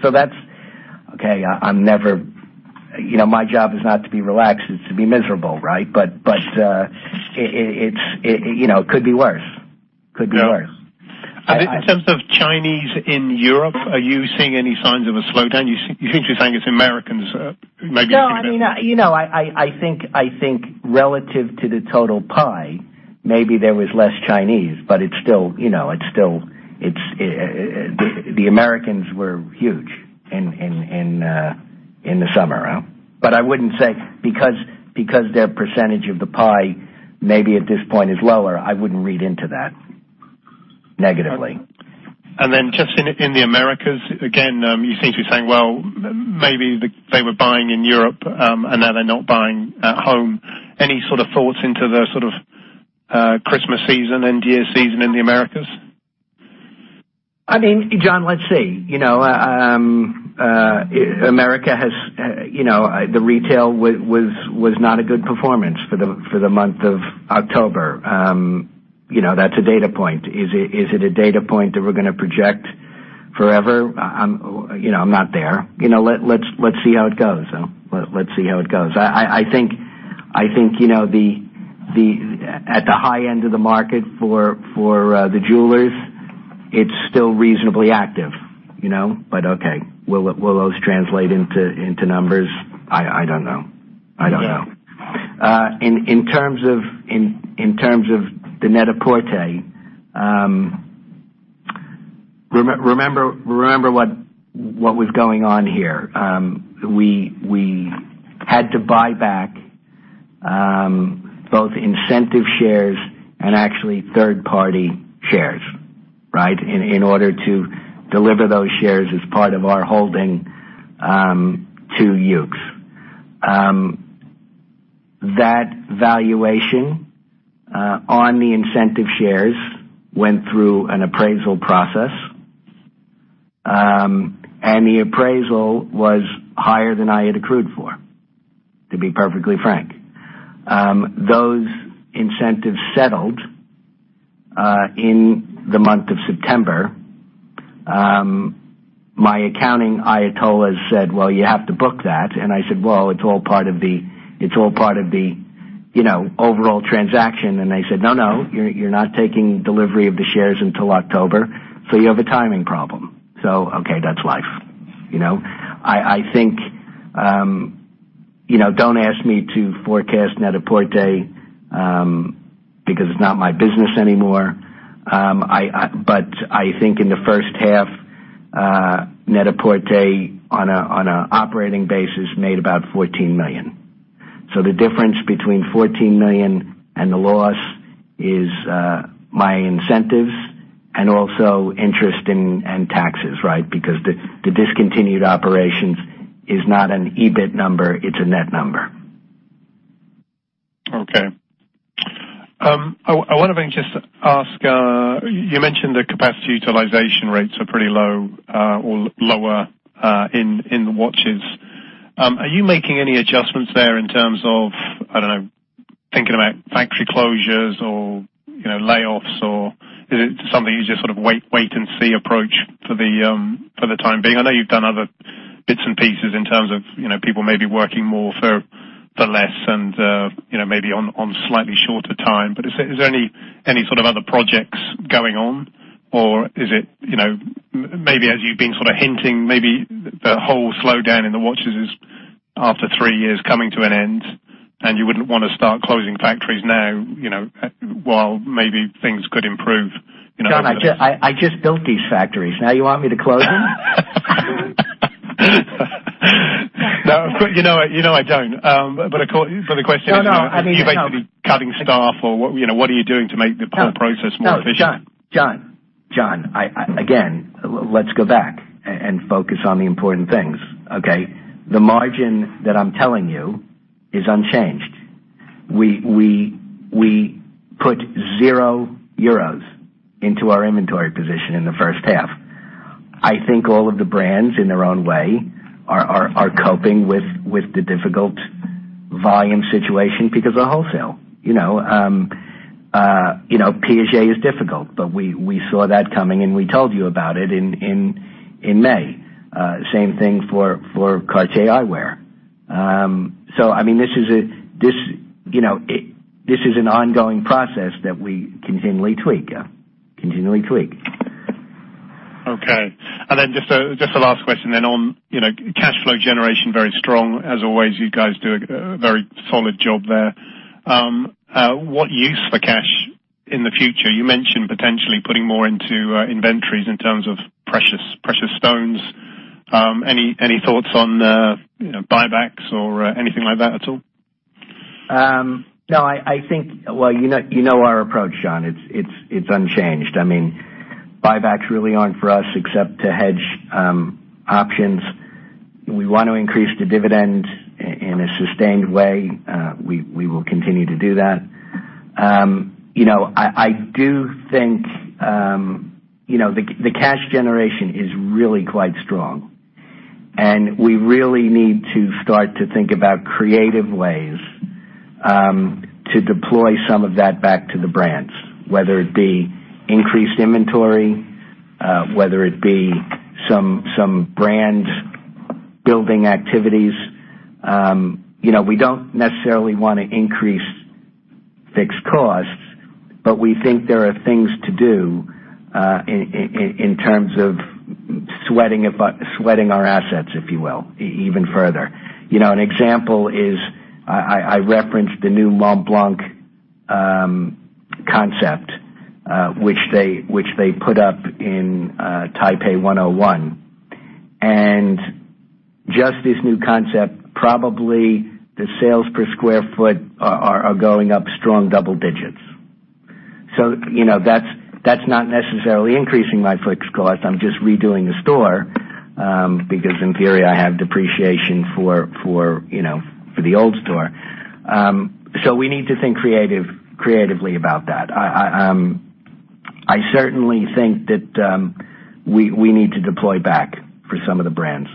my job is not to be relaxed, it's to be miserable, right? It could be worse. Yeah. Could be worse. In terms of Chinese in Europe, are you seeing any signs of a slowdown? You seem to be saying it's Americans maybe. I think relative to the total pie, maybe there was less Chinese, the Americans were huge in the summer. I wouldn't say because their percentage of the pie, maybe at this point is lower, I wouldn't read into that negatively. Just in the Americas, again, you seem to be saying, well, maybe they were buying in Europe, now they're not buying at home. Any sort of thoughts into the sort of Christmas season, end year season in the Americas? John, let's see. America, the retail was not a good performance for the month of October. That's a data point. Is it a data point that we're going to project forever? I'm not there. Let's see how it goes. I think at the high end of the market for the jewelers, it's still reasonably active. Okay, will those translate into numbers? I don't know. Yeah. In terms of the Net-a-Porter, remember what was going on here. We had to buy back both incentive shares and actually third-party shares, right? In order to deliver those shares as part of our holding to Yoox. That valuation on the incentive shares went through an appraisal process. The appraisal was higher than I had accrued for, to be perfectly frank. Those incentives settled in the month of September. My accounting ayatollah said, "Well, you have to book that." I said, "Well, it's all part of the overall transaction." They said, "No, no, you're not taking delivery of the shares until October, so you have a timing problem." Okay, that's life. Don't ask me to forecast Net-a-Porter, because it's not my business anymore. I think in the first half, Net-a-Porter, on an operating basis, made about 14 million. The difference between 14 million and the loss is my incentives and also interest and taxes, right? Because the discontinued operations is not an EBIT number, it's a net number. I want to then just ask, you mentioned the capacity utilization rates are pretty low or lower in watches. Are you making any adjustments there in terms of, I don't know, thinking about factory closures or layoffs, or is it something you just sort of wait-and-see approach for the time being? I know you've done other bits and pieces in terms of people maybe working more for less and maybe on slightly shorter time. Is there any sort of other projects going on? Or is it, maybe as you've been sort of hinting, maybe the whole slowdown in the watches after three years coming to an end, and you wouldn't want to start closing factories now, while maybe things could improve. John, I just built these factories. Now you want me to close them? No, you know I don't. The question is. No. Are you basically cutting staff or what are you doing to make the whole process more efficient? No, John. Again, let's go back and focus on the important things, okay? The margin that I'm telling you is unchanged. We put zero EUR into our inventory position in the first half. I think all of the brands, in their own way, are coping with the difficult volume situation because of wholesale. Piaget is difficult, but we saw that coming, and we told you about it in May. Same thing for Cartier eyewear. This is an ongoing process that we continually tweak. Okay. Just a last question on cash flow generation, very strong as always, you guys do a very solid job there. What use for cash in the future? You mentioned potentially putting more into inventories in terms of precious stones. Any thoughts on buybacks or anything like that at all? No, you know our approach, John. It's unchanged. Buybacks really aren't for us except to hedge options. We want to increase the dividend in a sustained way. We will continue to do that. I do think the cash generation is really quite strong, and we really need to start to think about creative ways to deploy some of that back to the brands, whether it be increased inventory, whether it be some brand building activities. We don't necessarily want to increase fixed costs, but we think there are things to do in terms of sweating our assets, if you will, even further. An example is I referenced the new Montblanc concept which they put up in Taipei 101. Just this new concept, probably the sales per square foot are going up strong double digits. That's not necessarily increasing my fixed cost. I'm just redoing the store because in theory, I have depreciation for the old store. We need to think creatively about that. I certainly think that we need to deploy back for some of the brands.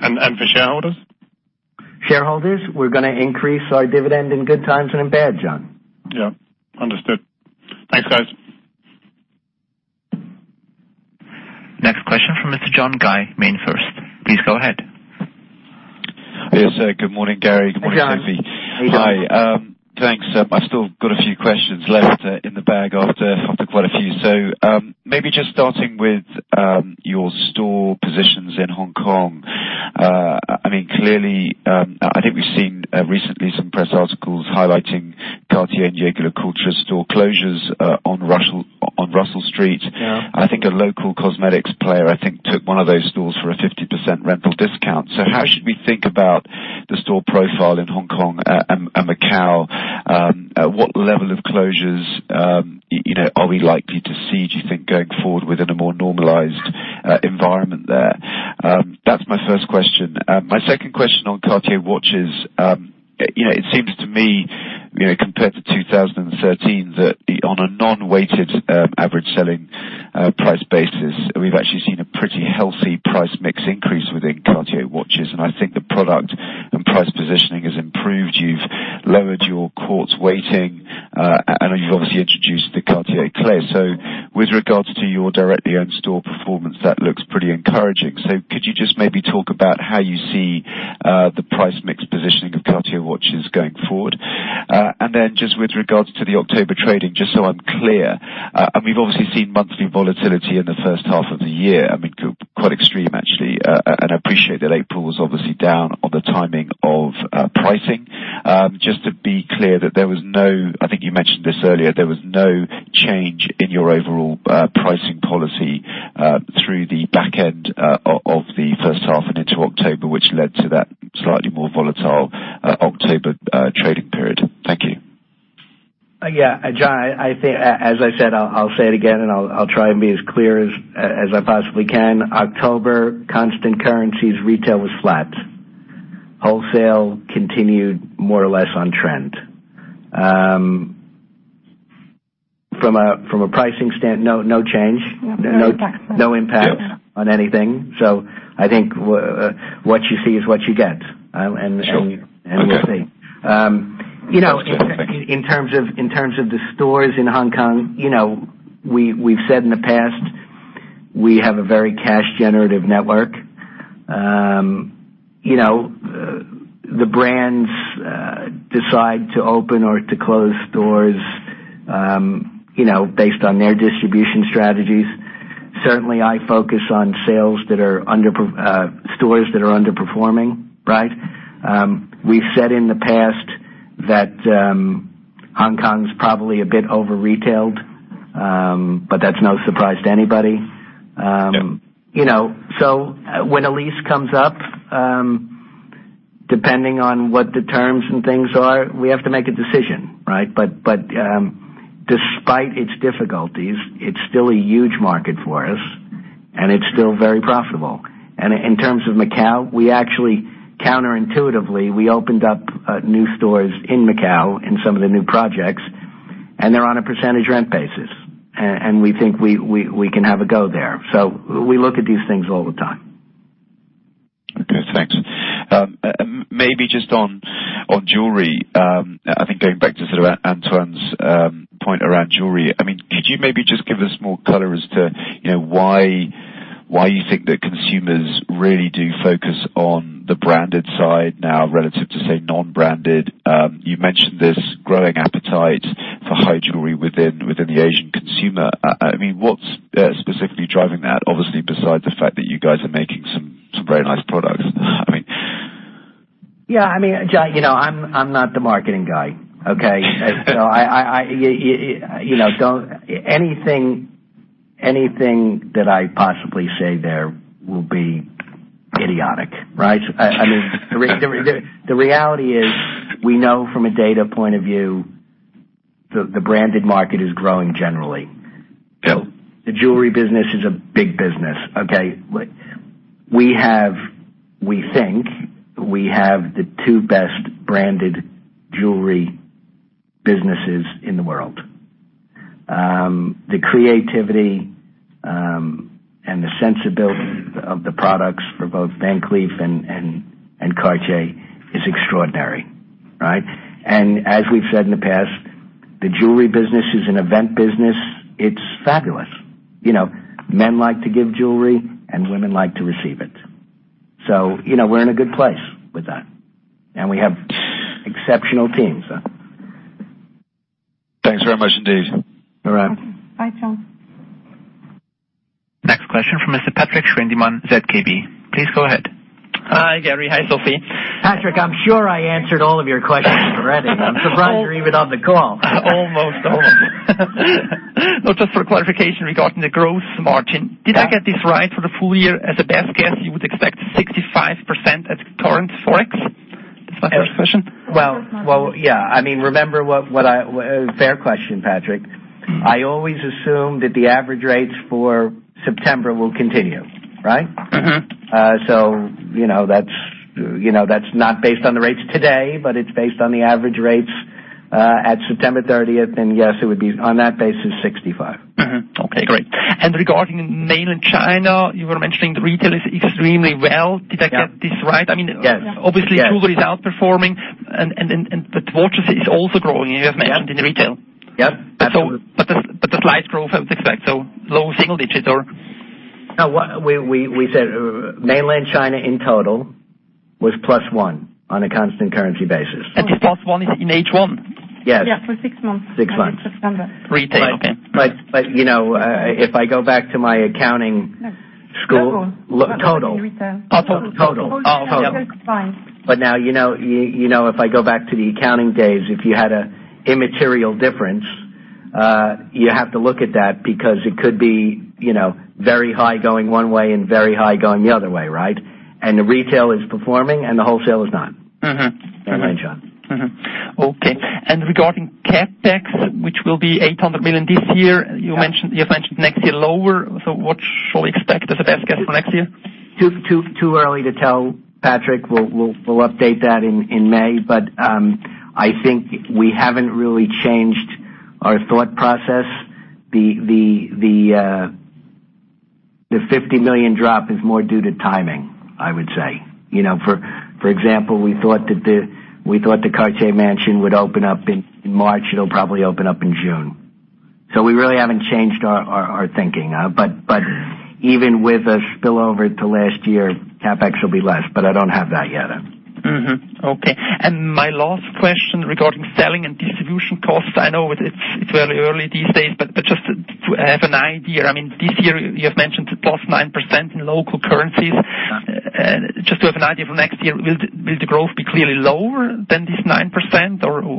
For shareholders? Shareholders, we're going to increase our dividend in good times and in bad, John. Yep. Understood. Thanks, guys. Next question from Mr. John Guy, MainFirst Bank. Please go ahead. Good morning, Gary. Good morning, Sophie. Hey, John. How are you doing? Hi. Thanks. I've still got a few questions left in the bag after quite a few. Maybe just starting with your store positions in Hong Kong. Clearly, I think we've seen recently some press articles highlighting Cartier and Jaeger-LeCoultre store closures on Russell Street. Yeah. A local cosmetics player took one of those stores for a 50% rental discount. How should we think about the store profile in Hong Kong and Macau? At what level of closures are we likely to see, do you think, going forward within a more normalized environment there? That's my first question. My second question on Cartier watches. It seems to me, compared to 2013, that on a non-weighted average selling price basis, we've actually seen a pretty healthy price mix increase within Cartier watches. I think the product and price positioning has improved. You've lowered your quartz weighting, you've obviously introduced the Clé de Cartier. With regards to your directly owned store performance, that looks pretty encouraging. Could you just maybe talk about how you see the price mix positioning of Cartier watches going forward? With regards to the October trading, just so I'm clear, we've obviously seen monthly volatility in the first half of the year, quite extreme actually. I appreciate that April was obviously down on the timing of pricing. Just to be clear that there was no change in your overall pricing policy through the back end of the first half and into October, which led to that slightly more volatile October trading period. Thank you. John, as I said, I'll say it again, I'll try and be as clear as I possibly can. October constant currencies retail was flat. Wholesale continued more or less on trend. From a pricing stand, no change. No impact. No impact on anything. I think what you see is what you get. Sure. Okay. We'll see. Understood. Thank you. In terms of the stores in Hong Kong, we've said in the past. We have a very cash-generative network. The brands decide to open or to close stores based on their distribution strategies. Certainly, I focus on stores that are underperforming. We've said in the past that Hong Kong is probably a bit over-retailed, that's no surprise to anybody. Yep. When a lease comes up, depending on what the terms and things are, we have to make a decision. Despite its difficulties, it's still a huge market for us, and it's still very profitable. In terms of Macau, counterintuitively, we opened up new stores in Macau in some of the new projects, and they're on a percentage rent basis. We think we can have a go there. We look at these things all the time. Okay, thanks. Maybe just on jewelry. I think going back to sort of Antoine's point around jewelry. Could you maybe just give us more color as to why you think that consumers really do focus on the branded side now relative to, say, non-branded? You mentioned this growing appetite for high jewelry within the Asian consumer. What's specifically driving that, obviously, besides the fact that you guys are making some very nice products? Yeah, John, I'm not the marketing guy, okay? Anything that I possibly say there will be idiotic. The reality is we know from a data point of view, the branded market is growing generally. Yep. The jewelry business is a big business. We think we have the two best-branded jewelry businesses in the world. The creativity and the sensibility of the products for both Van Cleef and Cartier is extraordinary. As we've said in the past, the jewelry business is an event business. It's fabulous. Men like to give jewelry, and women like to receive it. We're in a good place with that, and we have exceptional teams. Thanks very much indeed. All right. Okay. Bye, John. Next question from Mr. Patrik Schwendimann, ZKB. Please go ahead. Hi, Gary. Hi, Sophie. Patrik, I'm sure I answered all of your questions already. I'm surprised you're even on the call. Almost. Just for clarification regarding the gross margin. Yeah. Did I get this right for the full year? As a best guess, you would expect 65% at current ForEx? That's my first question. Well, yeah. Fair question, Patrik. I always assume that the average rates for September will continue, right? That's not based on the rates today, but it's based on the average rates at September 30th. Yes, it would be, on that basis, 65%. Mm-hmm. Okay, great. Regarding Mainland China, you were mentioning the retail is extremely well. Did I get this right? Yes. Obviously, jewelry is outperforming, watches is also growing, you have mentioned in retail. Yep, absolutely. A slight growth, I would expect, so low single digit, or? We said Mainland China in total was plus one on a constant currency basis. Plus one is in H1? Yes. Yeah, for six months. Six months. Until September. Retail, okay. If I go back to my accounting school. Total. Total. Retail. Oh, total. Wholesale is fine. Now, if I go back to the accounting days, if you had an immaterial difference, you have to look at that because it could be very high going one way and very high going the other way. The retail is performing and the wholesale is not. Mainland China. Regarding CapEx, which will be 800 million this year, you mentioned next year lower. What shall we expect as a best guess for next year? Too early to tell, Patrik. We'll update that in May. I think we haven't really changed our thought process. The 50 million drop is more due to timing, I would say. For example, we thought the Cartier Mansion would open up in March. It'll probably open up in June. We really haven't changed our thinking. Even with a spillover to last year, CapEx will be less, but I don't have that yet. Okay. My last question regarding selling and distribution costs. I know it's very early these days, but just to have an idea, this year you have mentioned +9% in local currencies. Just to have an idea for next year, will the growth be clearly lower than this 9%?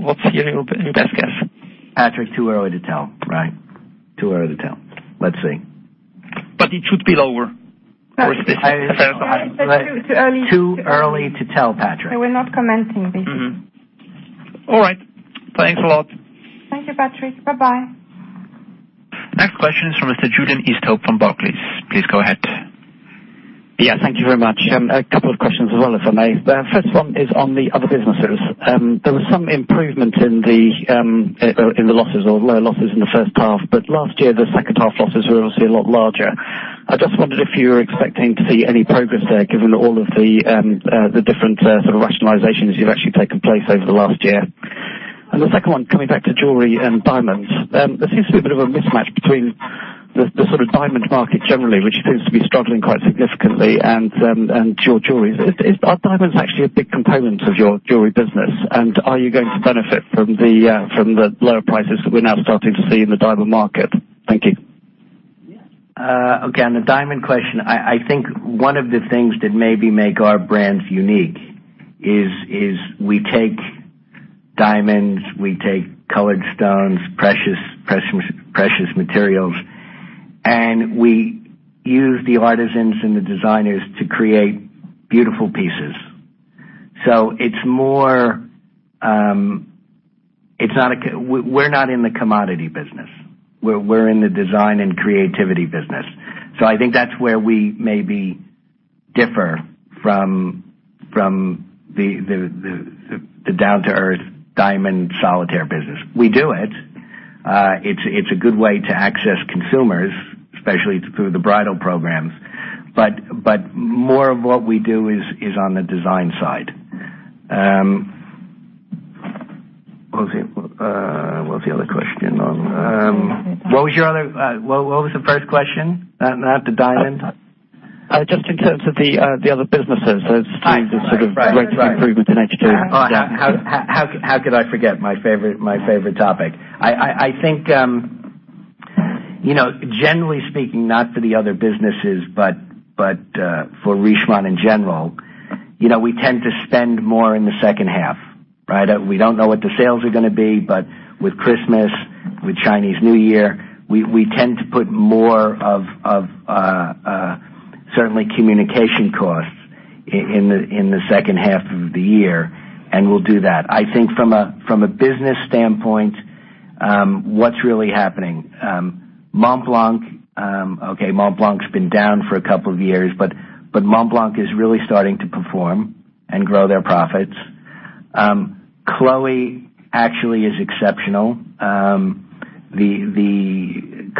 What's your best guess? Patrik, too early to tell. Too early to tell. Let's see. It should be lower. Too early. Too early to tell, Patrick. We're not commenting this. All right. Thanks a lot. Thank you, Patrick. Bye-bye. Next question is from Mr. Julian Easthope from Barclays. Please go ahead. Yeah, thank you very much. A couple of questions as well, if I may. The first one is on the other businesses. There was some improvement in the losses or lower losses in the first half. Last year, the second half losses were obviously a lot larger. I just wondered if you're expecting to see any progress there given all of the different sort of rationalizations you've actually taken place over the last year. The second one, coming back to jewelry and diamonds. There seems to be a bit of a mismatch between the diamond market generally, which appears to be struggling quite significantly, and your jewelry. Are diamonds actually a big component of your jewelry business? Are you going to benefit from the lower prices that we're now starting to see in the diamond market? Thank you. Again, the diamond question. I think one of the things that maybe make our brands unique is we take diamonds, we take colored stones, precious materials, and we use the artisans and the designers to create beautiful pieces. We're not in the commodity business. We're in the design and creativity business. I think that's where we maybe differ from the down-to-earth diamond solitaire business. We do it. It's a good way to access consumers, especially through the bridal programs. More of what we do is on the design side. What was the other question on? What was the first question? That to diamond? Just in terms of the other businesses, those kinds of- Right sort of rates of improvement in H2. Yeah. How could I forget? My favorite topic. I think, generally speaking, not for the other businesses, but for Richemont in general. We tend to spend more in the second half, right? We don't know what the sales are going to be, but with Christmas, with Chinese New Year, we tend to put more of certainly communication costs in the second half of the year, and we'll do that. I think from a business standpoint, what's really happening. Montblanc's been down for a couple of years, but Montblanc is really starting to perform and grow their profits. Chloé actually is exceptional.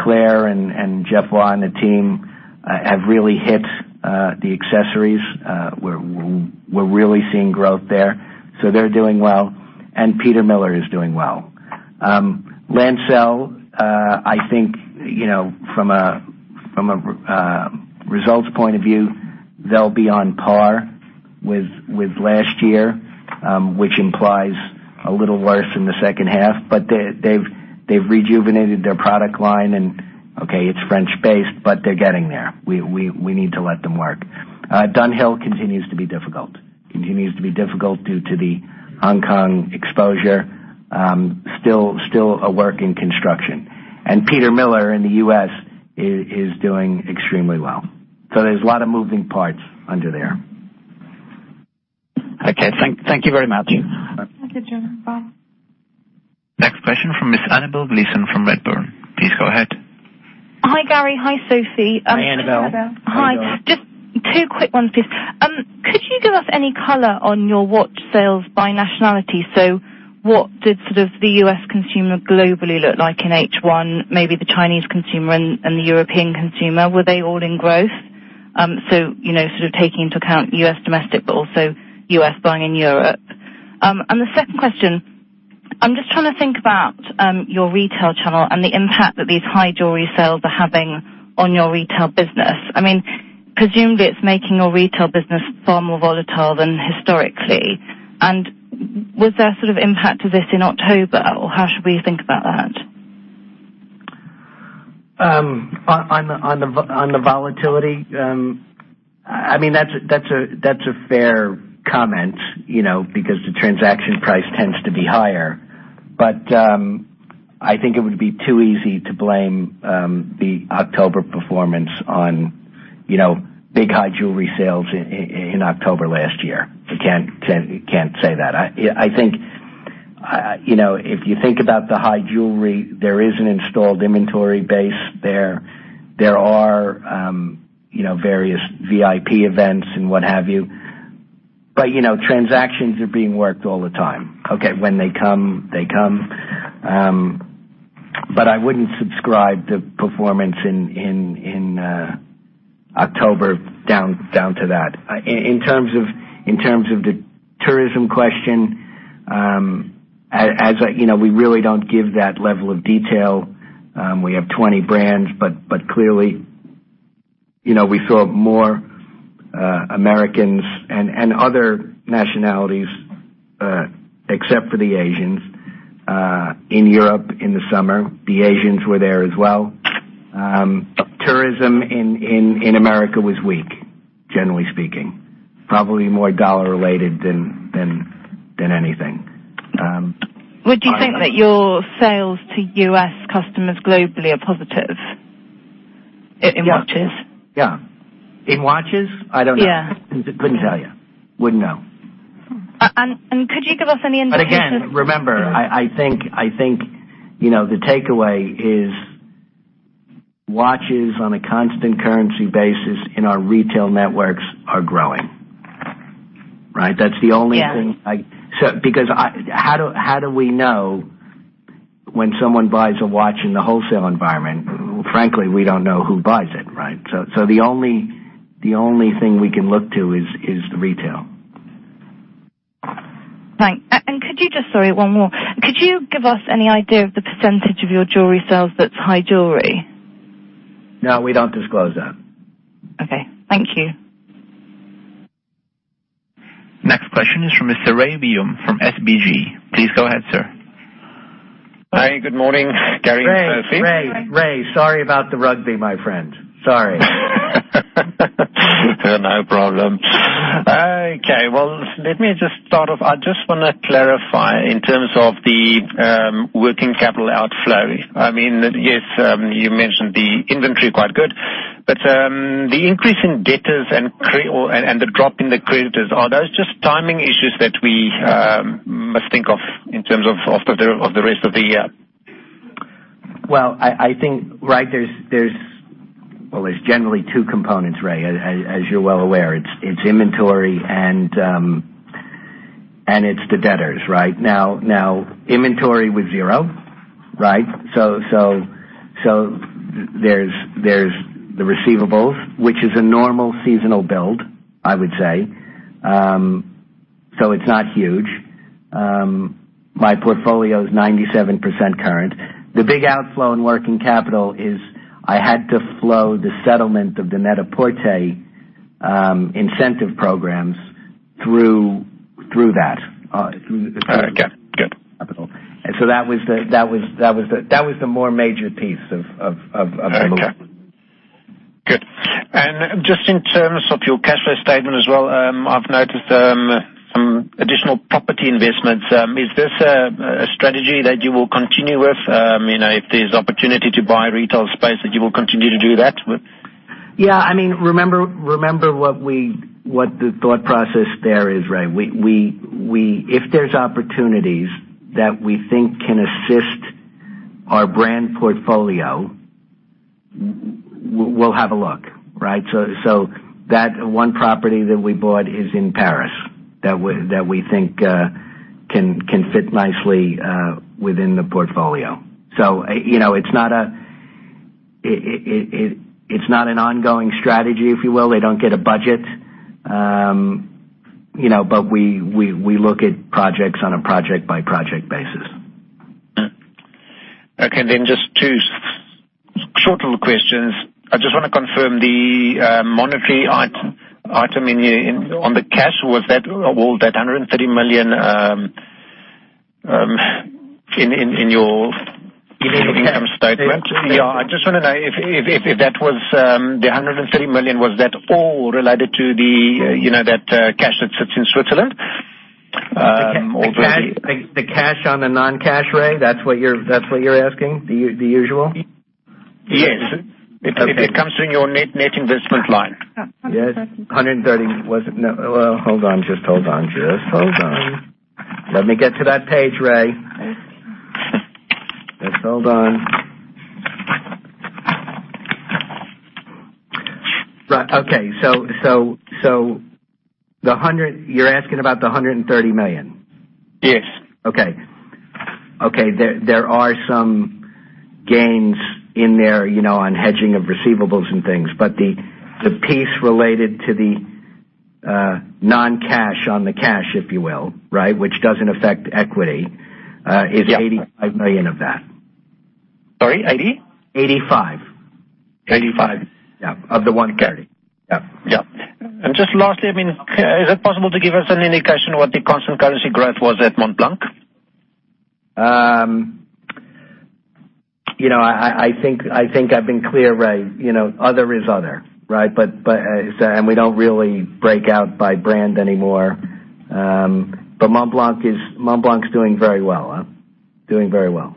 Clare and Geoffroy and the team have really hit the accessories. We're really seeing growth there, so they're doing well. Peter Millar is doing well. Lancel, I think, from a results point of view, they'll be on par with last year, which implies a little worse in the second half. They've rejuvenated their product line and, okay, it's French-based, but they're getting there. We need to let them work. Dunhill continues to be difficult. Continues to be difficult due to the Hong Kong exposure. Still a work in construction. Peter Millar in the U.S. is doing extremely well. There's a lot of moving parts under there. Okay. Thank you very much. Thank you, Julian. Next question from Ms. Annabel Gleeson from Redburn. Please go ahead. Hi, Gary. Hi, Sophie. Hi, Annabel. Hi, Annabel. Hi. Just two quick ones, please. Could you give us any color on your watch sales by nationality? What did sort of the U.S. consumer globally look like in H1? Maybe the Chinese consumer and the European consumer. Were they all in growth? Sort of taking into account U.S. domestic, but also U.S. buying in Europe. The second question, I'm just trying to think about your retail channel and the impact that these high jewelry sales are having on your retail business. Presumably, it's making your retail business far more volatile than historically. Was there sort of impact to this in October, or how should we think about that? On the volatility? That's a fair comment because the transaction price tends to be higher. I think it would be too easy to blame the October performance on big high jewelry sales in October last year. You can't say that. If you think about the high jewelry, there is an installed inventory base there. There are various VIP events and what have you. Transactions are being worked all the time. Okay, when they come, they come. I wouldn't subscribe the performance in October down to that. In terms of the tourism question. We really don't give that level of detail. We have 20 brands, but clearly, we saw more Americans and other nationalities except for the Asians in Europe in the summer. The Asians were there as well. Tourism in America was weak, generally speaking. Probably more dollar-related than anything. Would you think that your sales to U.S. customers globally are positive in watches? Yeah. In watches? I don't know. Yeah. Couldn't tell you. Wouldn't know. Could you give us any indication? Again, remember, I think the takeaway is watches on a constant currency basis in our retail networks are growing. Right? Yeah. How do we know When someone buys a watch in the wholesale environment, frankly, we don't know who buys it. Right? The only thing we can look to is the retail. Right. Sorry, one more. Could you give us any idea of the percentage of your jewelry sales that's high jewelry? No, we don't disclose that. Okay. Thank you. Next question is from Mr. Rey Wium from SBG. Please go ahead, sir. Hi. Good morning, Gary, Sophie. Rey. Sorry about the rugby, my friend. Sorry. No problem. Okay. Well, let me just start off. I just want to clarify in terms of the working capital outflow. Yes, you mentioned the inventory quite good. The increase in debtors and the drop in the creditors, are those just timing issues that we must think of in terms of the rest of the year? Well, I think there's generally two components, Rey, as you're well aware. It's inventory and it's the debtors, right? Inventory was zero. Right? There's the receivables, which is a normal seasonal build, I would say. It's not huge. My portfolio is 97% current. The big outflow in working capital is I had to flow the settlement of the Net-a-Porter incentive programs through that. All right. Yeah. Good. That was the more major piece of the. Okay. Good. Just in terms of your cash flow statement as well, I've noticed some additional property investments. Is this a strategy that you will continue with? If there's opportunity to buy retail space, that you will continue to do that with? Yeah. Remember what the thought process there is, Rey. If there's opportunities that we think can assist our brand portfolio, we'll have a look. Right? That one property that we bought is in Paris, that we think can fit nicely within the portfolio. It's not an ongoing strategy, if you will. They don't get a budget. We look at projects on a project-by-project basis. Okay, just two short little questions. I just want to confirm the monetary item on the cash. All that 130 million in your income statement. In cash. Yeah. I just want to know if the 130 million, was that all related to that cash that sits in Switzerland? The cash on the non-cash, Rey? That's what you're asking, the usual? Yes. Okay. It comes in your net investment line. Yes. 130 was it? No. Well, hold on. Just hold on. Let me get to that page, Rey. Just hold on. Right. Okay. You're asking about the 130 million? Yes. Okay. There are some gains in there on hedging of receivables and things. The piece related to the non-cash on the cash, if you will, which doesn't affect equity- Yeah is 85 million of that. Sorry, 80? 85. 85. Yeah. Of the 100. Got it. Yeah. Yeah. Just lastly, is it possible to give us an indication what the constant currency growth was at Montblanc? I think I've been clear, Rey. Other is other. Right? We don't really break out by brand anymore. Montblanc's doing very well. Doing very well. Okay.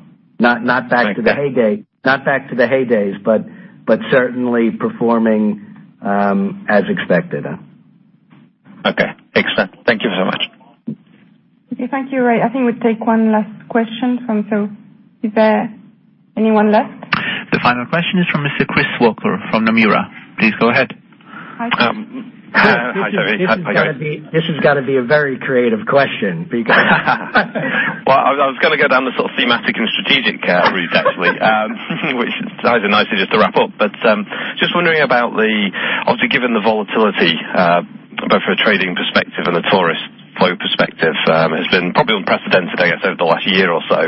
Not back to the heydays, but certainly performing as expected. Okay. Excellent. Thank you so much. Okay. Thank you, Rey. I think we'll take one last question from Sophie. Is there anyone left? The final question is from Mr. Chris Walker from Nomura. Please go ahead. Hi. Chris. Hi, Gary. This has got to be a very creative question. Well, I was going to go down the sort of thematic and strategic route, actually, which is nice just to wrap up. Just wondering about the, obviously, given the volatility, both for a trading perspective and a tourist flow perspective, has been probably unprecedented, I guess, over the last year or so.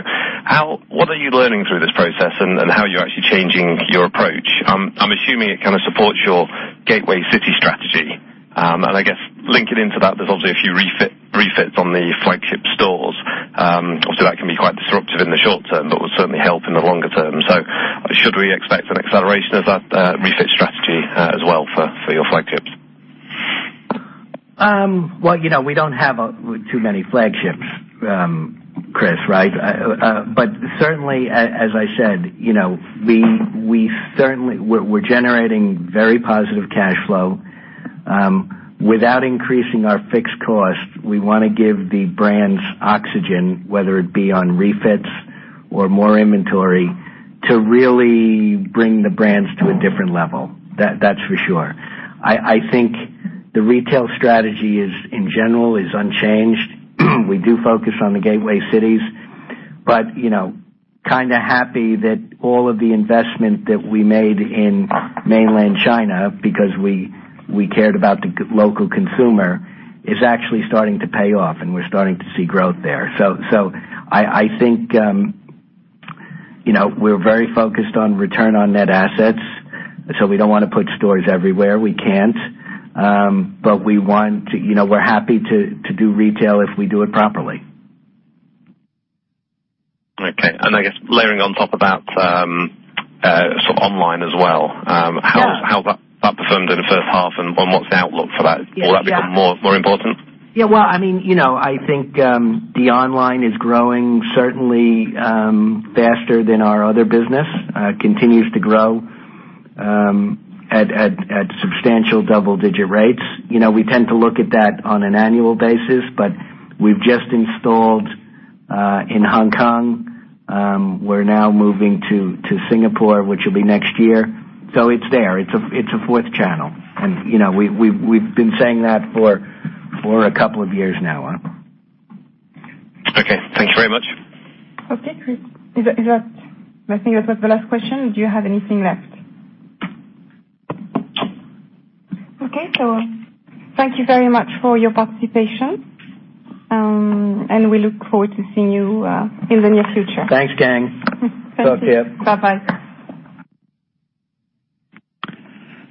What are you learning through this process and how are you actually changing your approach? I'm assuming it kind of supports your gateway city strategy. I guess linking into that, there's obviously a few refits on the flagship stores. Obviously, that can be quite disruptive in the short term, but will certainly help in the longer term. Should we expect an acceleration of that refit strategy as well for your flagships? Well, we don't have too many flagships, Chris. Right? Certainly, as I said, we're generating very positive cash flow. Without increasing our fixed cost, we want to give the brands oxygen, whether it be on refits or more inventory to really bring the brands to a different level, that's for sure. I think the retail strategy in general is unchanged. We do focus on the gateway cities, but kind of happy that all of the investment that we made in mainland China, because we cared about the local consumer, is actually starting to pay off, and we're starting to see growth there. I think we're very focused on return on net assets, so we don't want to put stores everywhere. We can't. We're happy to do retail if we do it properly. Okay. I guess layering on top of that, online as well. Yeah how that performed in the first half and what's the outlook for that? Yeah. Will that become more important? Yeah. I think the online is growing certainly faster than our other business. Continues to grow at substantial double-digit rates. We tend to look at that on an annual basis, but we've just installed in Hong Kong. We're now moving to Singapore, which will be next year. It's there. It's a fourth channel. We've been saying that for a couple of years now. Okay. Thank you very much. Okay, great. I think that was the last question. Do you have anything left? Okay, thank you very much for your participation, and we look forward to seeing you in the near future. Thanks, gang. Thank you. Talk to you. Bye-bye.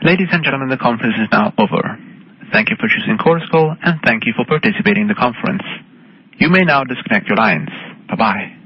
Ladies and gentlemen, the conference is now over. Thank you for choosing Chorus Call, and thank you for participating in the conference. You may now disconnect your lines. Bye-bye.